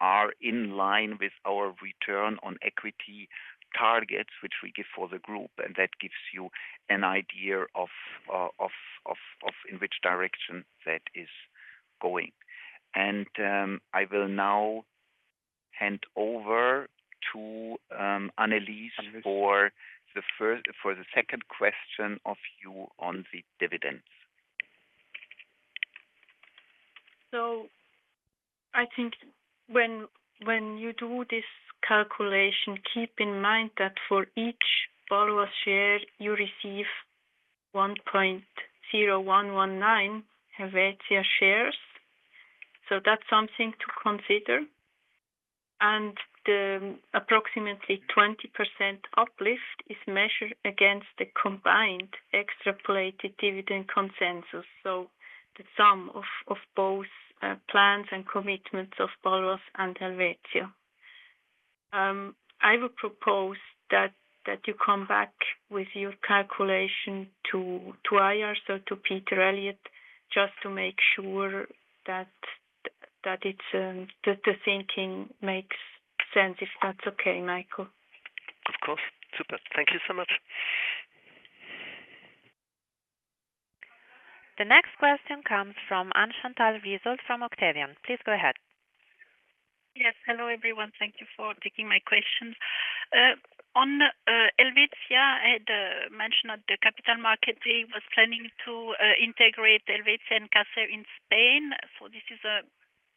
are in line with our return on equity targets, which we give for the group. That gives you an idea of in which direction that is going. I will now hand over to Annelis for the second question of you on the dividends. I think when you do this calculation, keep in mind that for each Baloise share, you receive 1.0119 Helvetia shares. That's something to consider. And approximately 20% uplift is measured against the combined extrapolated dividend consensus, so the sum of both plans and commitments of Baloise and Helvetia. I would propose that you come back with your calculation to IR, so to Peter Eliot, just to make sure that the thinking makes sense, if that's okay, Michael. Of course. Super. Thank you so much. The next question comes from Anshantar Wiesel from Octavian. Please go ahead. Yes. Hello, everyone. Thank you for taking my questions. On Helvetia, I had mentioned at the capital market, they were planning to integrate Helvetia and Caser in Spain. This is an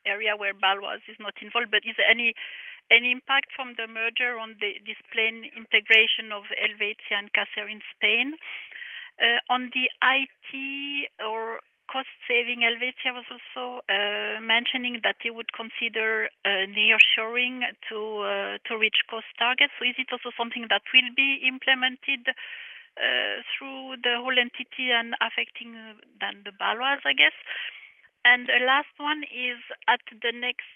area where Baloise is not involved. Is there any impact from the merger on this planned integration of Helvetia and Caser in Spain? On the IT or cost-saving, Helvetia was also mentioning that they would consider near-shoring to reach cost targets. Is it also something that will be implemented through the whole entity and affecting then the Baloise, I guess? The last one is at the next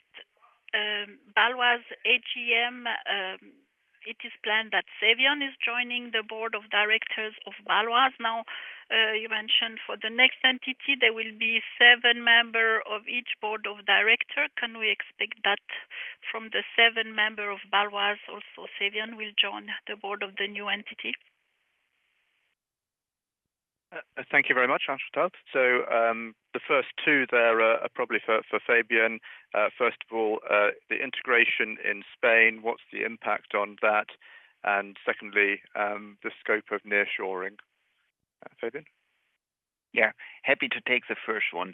Baloise AGM. It is planned that Fabian is joining the Board of Directors of Baloise. You mentioned for the next entity, there will be seven members of each board of director. Can we expect that from the seven members of Baloise, also Fabian will join the board of the new entity? Thank you very much, Anshantar. The first two, they're probably for Fabian. First of all, the integration in Spain, what's the impact on that? Secondly, the scope of near-shoring. Fabian? Yeah. Happy to take the first one.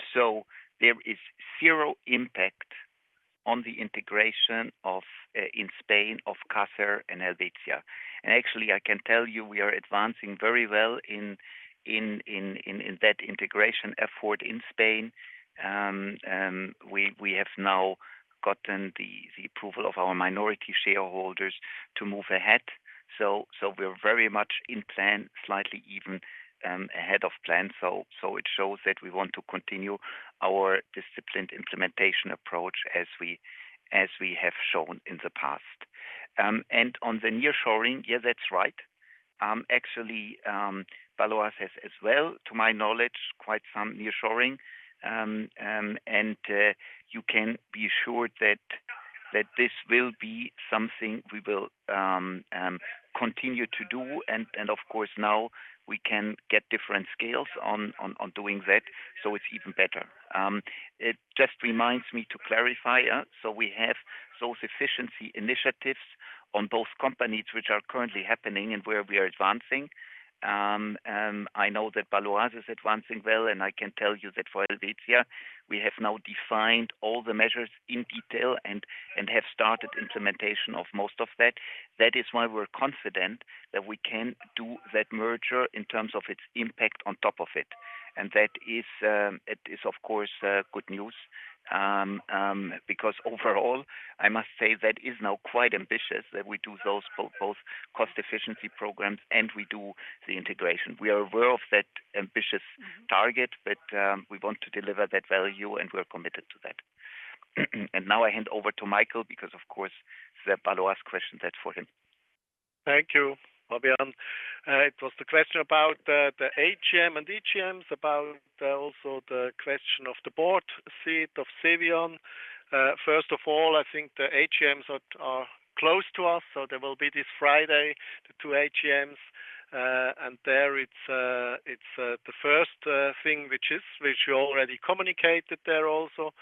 There is zero impact on the integration in Spain of Caser and Helvetia. Actually, I can tell you we are advancing very well in that integration effort in Spain. We have now gotten the approval of our minority shareholders to move ahead. We are very much in plan, slightly even ahead of plan. It shows that we want to continue our disciplined implementation approach as we have shown in the past. On the near-shoring, yeah, that's right. Actually, Baloise has as well, to my knowledge, quite some near-shoring. You can be sure that this will be something we will continue to do. Of course, now we can get different scales on doing that. It's even better. It just reminds me to clarify. We have those efficiency initiatives on both companies which are currently happening and where we are advancing. I know that Baloise is advancing well, and I can tell you that for Helvetia, we have now defined all the measures in detail and have started implementation of most of that. That is why we're confident that we can do that merger in terms of its impact on top of it. That is, of course, good news because overall, I must say that is now quite ambitious that we do those both cost-efficiency programs and we do the integration. We are aware of that ambitious target, but we want to deliver that value, and we're committed to that. Now I hand over to Michael because, of course, Baloise questioned that for him. Thank you, Fabian. It was the question about the AGM and EGMs, about also the question of the board seat of Fabian. First of all, I think the AGMs are close to us. There will be this Friday, the two AGMs. There it is the first thing, which you already communicated there also.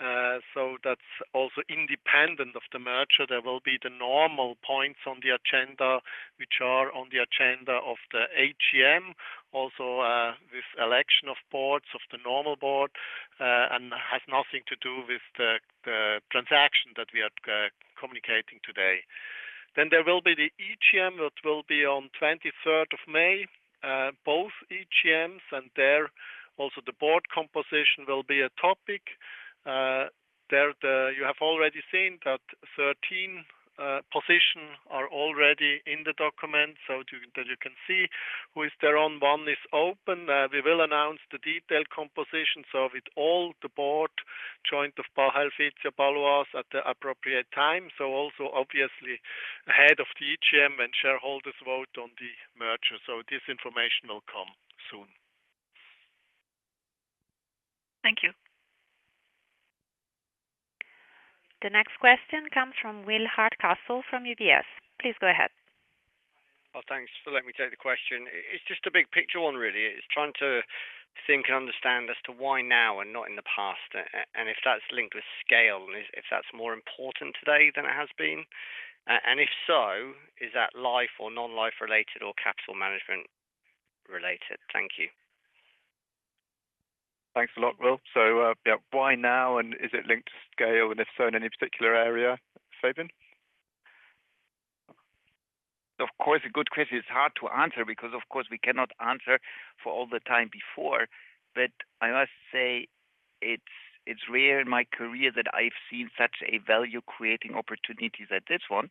That is also independent of the merger. There will be the normal points on the agenda, which are on the agenda of the AGM, also this election of boards of the normal board, and has nothing to do with the transaction that we are communicating today. There will be the EGM that will be on 23rd of May, both EGMs, and there also the board composition will be a topic. You have already seen that 13 positions are already in the document, so that you can see who is there on. One is open. We will announce the detailed composition, with all the board joined of Baloise, Helvetia, Baloise at the appropriate time. Also, obviously, ahead of the EGM and shareholders' vote on the merger, this information will come soon. Thank you. The next question comes from Will Hardcastle from UBS. Please go ahead. Well, thanks for letting me take the question. It's just a big picture one, really. It's trying to think and understand as to why now and not in the past, and if that's linked with scale, and if that's more important today than it has been. If so, is that Life or Non-Life related or capital management related? Thank you. Thanks a lot, Will. Why now, and is it linked to scale, and if so, in any particular area, Fabian? Of course, a good question. It's hard to answer because, of course, we cannot answer for all the time before. I must say it's rare in my career that I've seen such a value-creating opportunity as this one.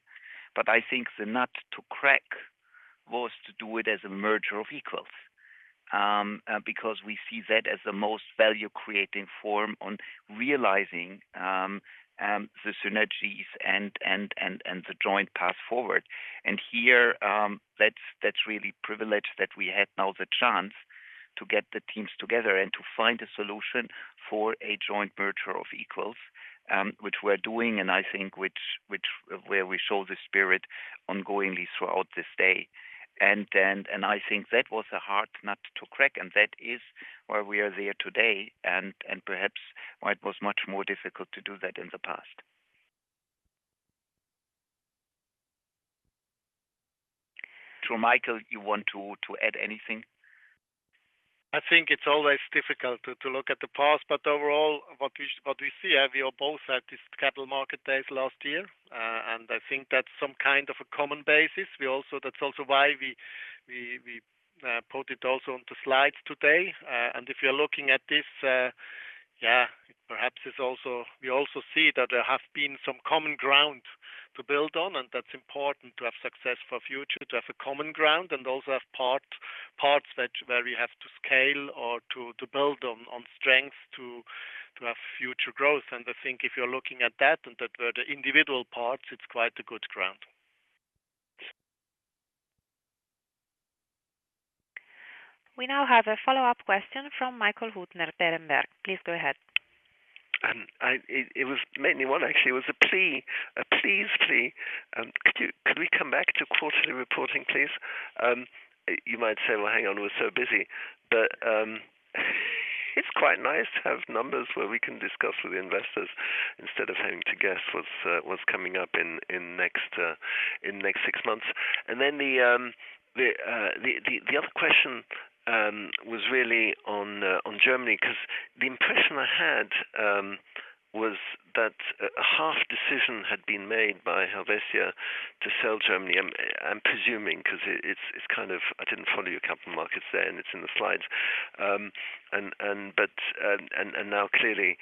I think the nut to crack was to do it as a merger of equals because we see that as the most value-creating form on realizing the synergies and the joint path forward. Here, that's really privileged that we had now the chance to get the teams together and to find a solution for a joint merger of equals, which we're doing, and I think where we show the spirit ongoingly throughout this day. I think that was a hard nut to crack, and that is why we are there today, and perhaps why it was much more difficult to do that in the past. True, Michael, you want to add anything? I think it's always difficult to look at the past, but overall, what we see, we are both at this Capital Market Days last year. I think that's some kind of a common basis. That's also why we put it also on the slides today. If you're looking at this, yeah, perhaps we also see that there have been some common ground to build on, and that's important to have success for future, to have a common ground, and also have parts where we have to scale or to build on strength to have future growth. I think if you're looking at that and the individual parts, it's quite a good ground. We now have a follow-up question from Michael Huttner Berenberg. Please go ahead. It was mainly one, actually. It was a plea, a please, plea. Could we come back to quarterly reporting, please? You might say, "Well, hang on, we're so busy." It is quite nice to have numbers where we can discuss with investors instead of having to guess what is coming up in the next six months. The other question was really on Germany because the impression I had was that a half-decision had been made by Helvetia to sell Germany. I am presuming because I did not follow your capital markets there, and it is in the slides. Now clearly,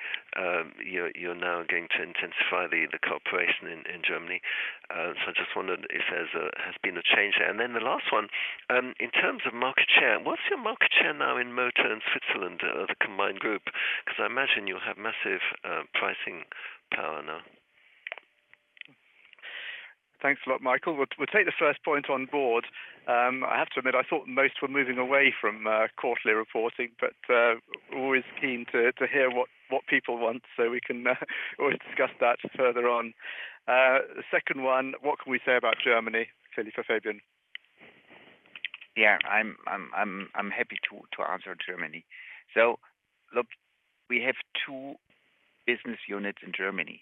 you are now going to intensify the cooperation in Germany. I just wondered if there has been a change there. The last one, in terms of market share, what is your market share now in Motor and Switzerland as a combined group? I imagine you will have massive pricing power now. Thanks a lot, Michael. We will take the first point on board. I have to admit, I thought most were moving away from quarterly reporting, but we're always keen to hear what people want, so we can always discuss that further on. Second one, what can we say about Germany, clearly for Fabian? Yeah, I'm happy to answer Germany. Look, we have two business units in Germany.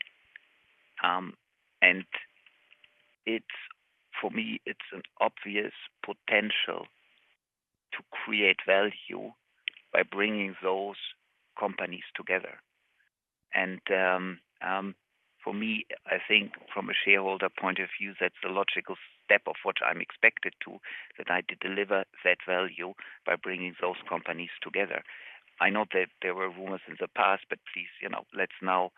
For me, it's an obvious potential to create value by bringing those companies together. For me, I think from a shareholder point of view, that's the logical step of what I'm expected to, that I deliver that value by bringing those companies together. I know that there were rumors in the past, but please, let's now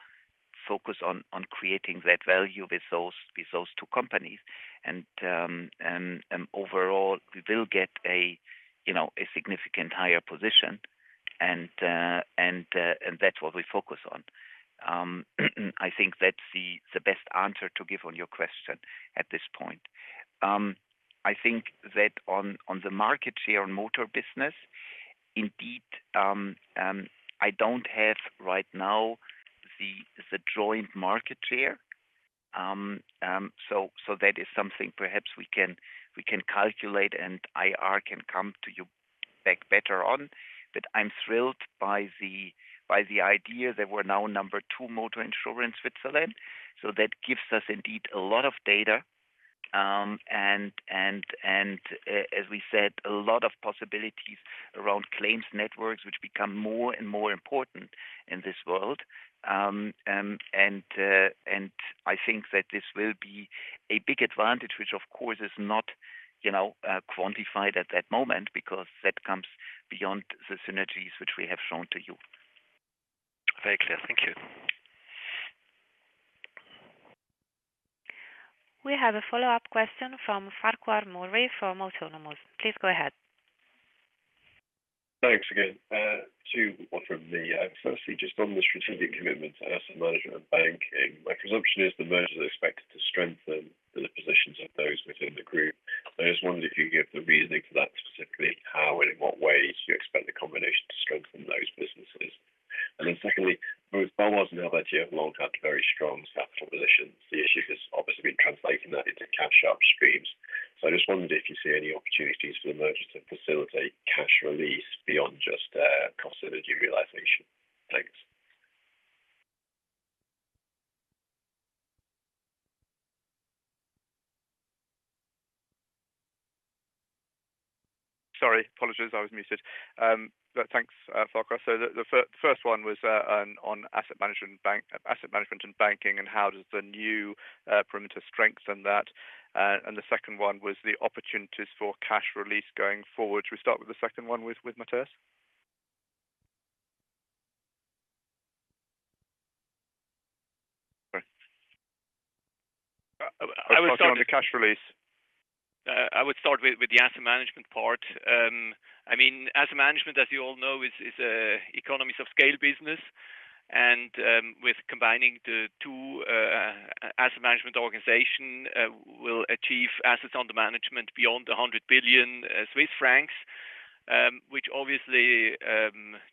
focus on creating that value with those two companies. Overall, we will get a significant higher position, and that's what we focus on. I think that's the best answer to give on your question at this point. I think that on the market share in Motor business, indeed, I don't have right now the joint market share. That is something perhaps we can calculate, and IR can come to you back better on. I'm thrilled by the idea that we're now number two Motor in Switzerland. That gives us indeed a lot of data. As we said, a lot of possibilities around claims networks, which become more and more important in this world. I think that this will be a big advantage, which of course is not quantified at that moment because that comes beyond the synergies which we have shown to you. Very clear. Thank you. We have a follow-up question from Farquhar Murray from Autonomous. Please go ahead. Thanks again. Two more from me. Firstly, just on the strategic commitments as a management bank, my presumption is the merger is expected to strengthen the positions of those within the group. I just wondered if you could give the reasoning for that specifically, how and in what ways you expect the combination to strengthen those businesses. Secondly, both Baloise and Helvetia have long had very strong capital positions. The issue has obviously been translating that into cash upstreams. I just wondered if you see any opportunities for the merger to facilitate cash release beyond just cost-synergy realization. Thanks. Sorry, apologies. I was muted. Thanks, Farquhar. The first one was on Asset Management and banking and how does the new perimeter strengthen that. The second one was the opportunities for cash release going forward. Should we start with the second one with Matthias? Sorry. I would start with the cash release. I would start with the Asset Management part. I mean, Asset Management, as you all know, is economies of scale business. With combining the two Asset Management organizations, we will achieve Assets Under Management beyond 100 billion Swiss francs, which obviously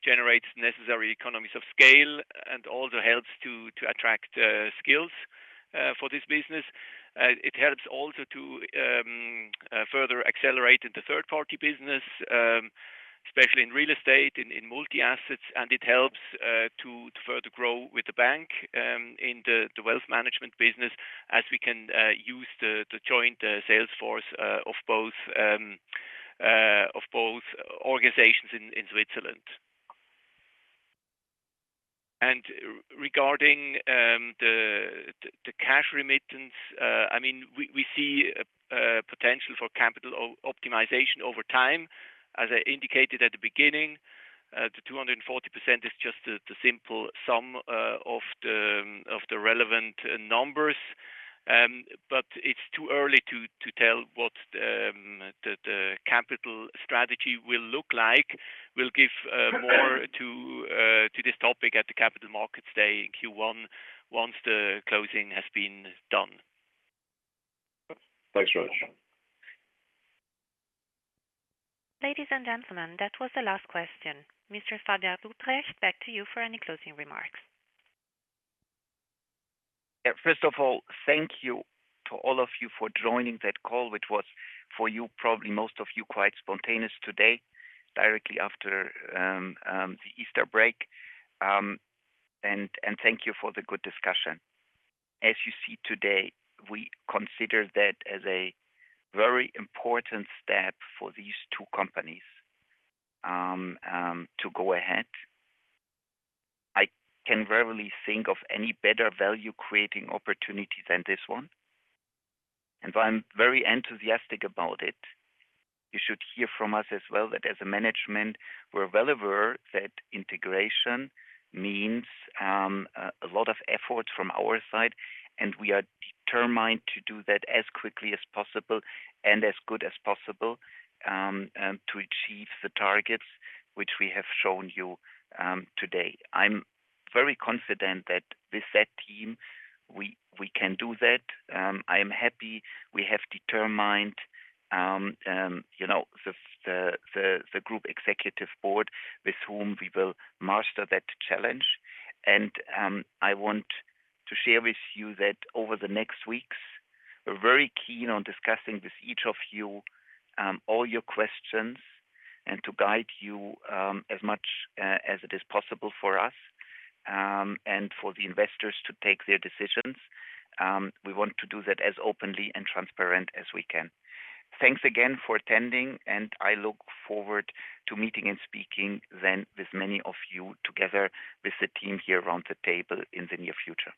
generates necessary economies of scale and also helps to attract skills for this business. It helps also to further accelerate in the third-party business, especially in real estate, in multi-assets. It helps to further grow with the bank in the wealth management business as we can use the joint sales force of both organizations in Switzerland. Regarding the cash remittance, I mean, we see potential for capital optimization over time. As I indicated at the beginning, the 240% is just the simple sum of the relevant numbers. It is too early to tell what the capital strategy will look like. We'll give more to this topic at the Capital Markets Day in Q1 once the closing has been done. Thanks very much. Ladies and gentlemen, that was the last question. Mr. Fabian Rupprecht, back to you for any closing remarks. First of all, thank you to all of you for joining that call, which was for you, probably most of you, quite spontaneous today directly after the Easter break. Thank you for the good discussion. As you see today, we consider that as a very important step for these two companies to go ahead. I can rarely think of any better value-creating opportunity than this one. I'm very enthusiastic about it. You should hear from us as well that as a management, we're aware that integration means a lot of effort from our side, and we are determined to do that as quickly as possible and as good as possible to achieve the targets which we have shown you today. I'm very confident that with that team, we can do that. I am happy we have determined the Group Executive Board with whom we will master that challenge. I want to share with you that over the next weeks, we're very keen on discussing with each of you all your questions and to guide you as much as it is possible for us and for the investors to take their decisions. We want to do that as openly and transparent as we can. Thanks again for attending, and I look forward to meeting and speaking then with many of you together with the team here around the table in the near future.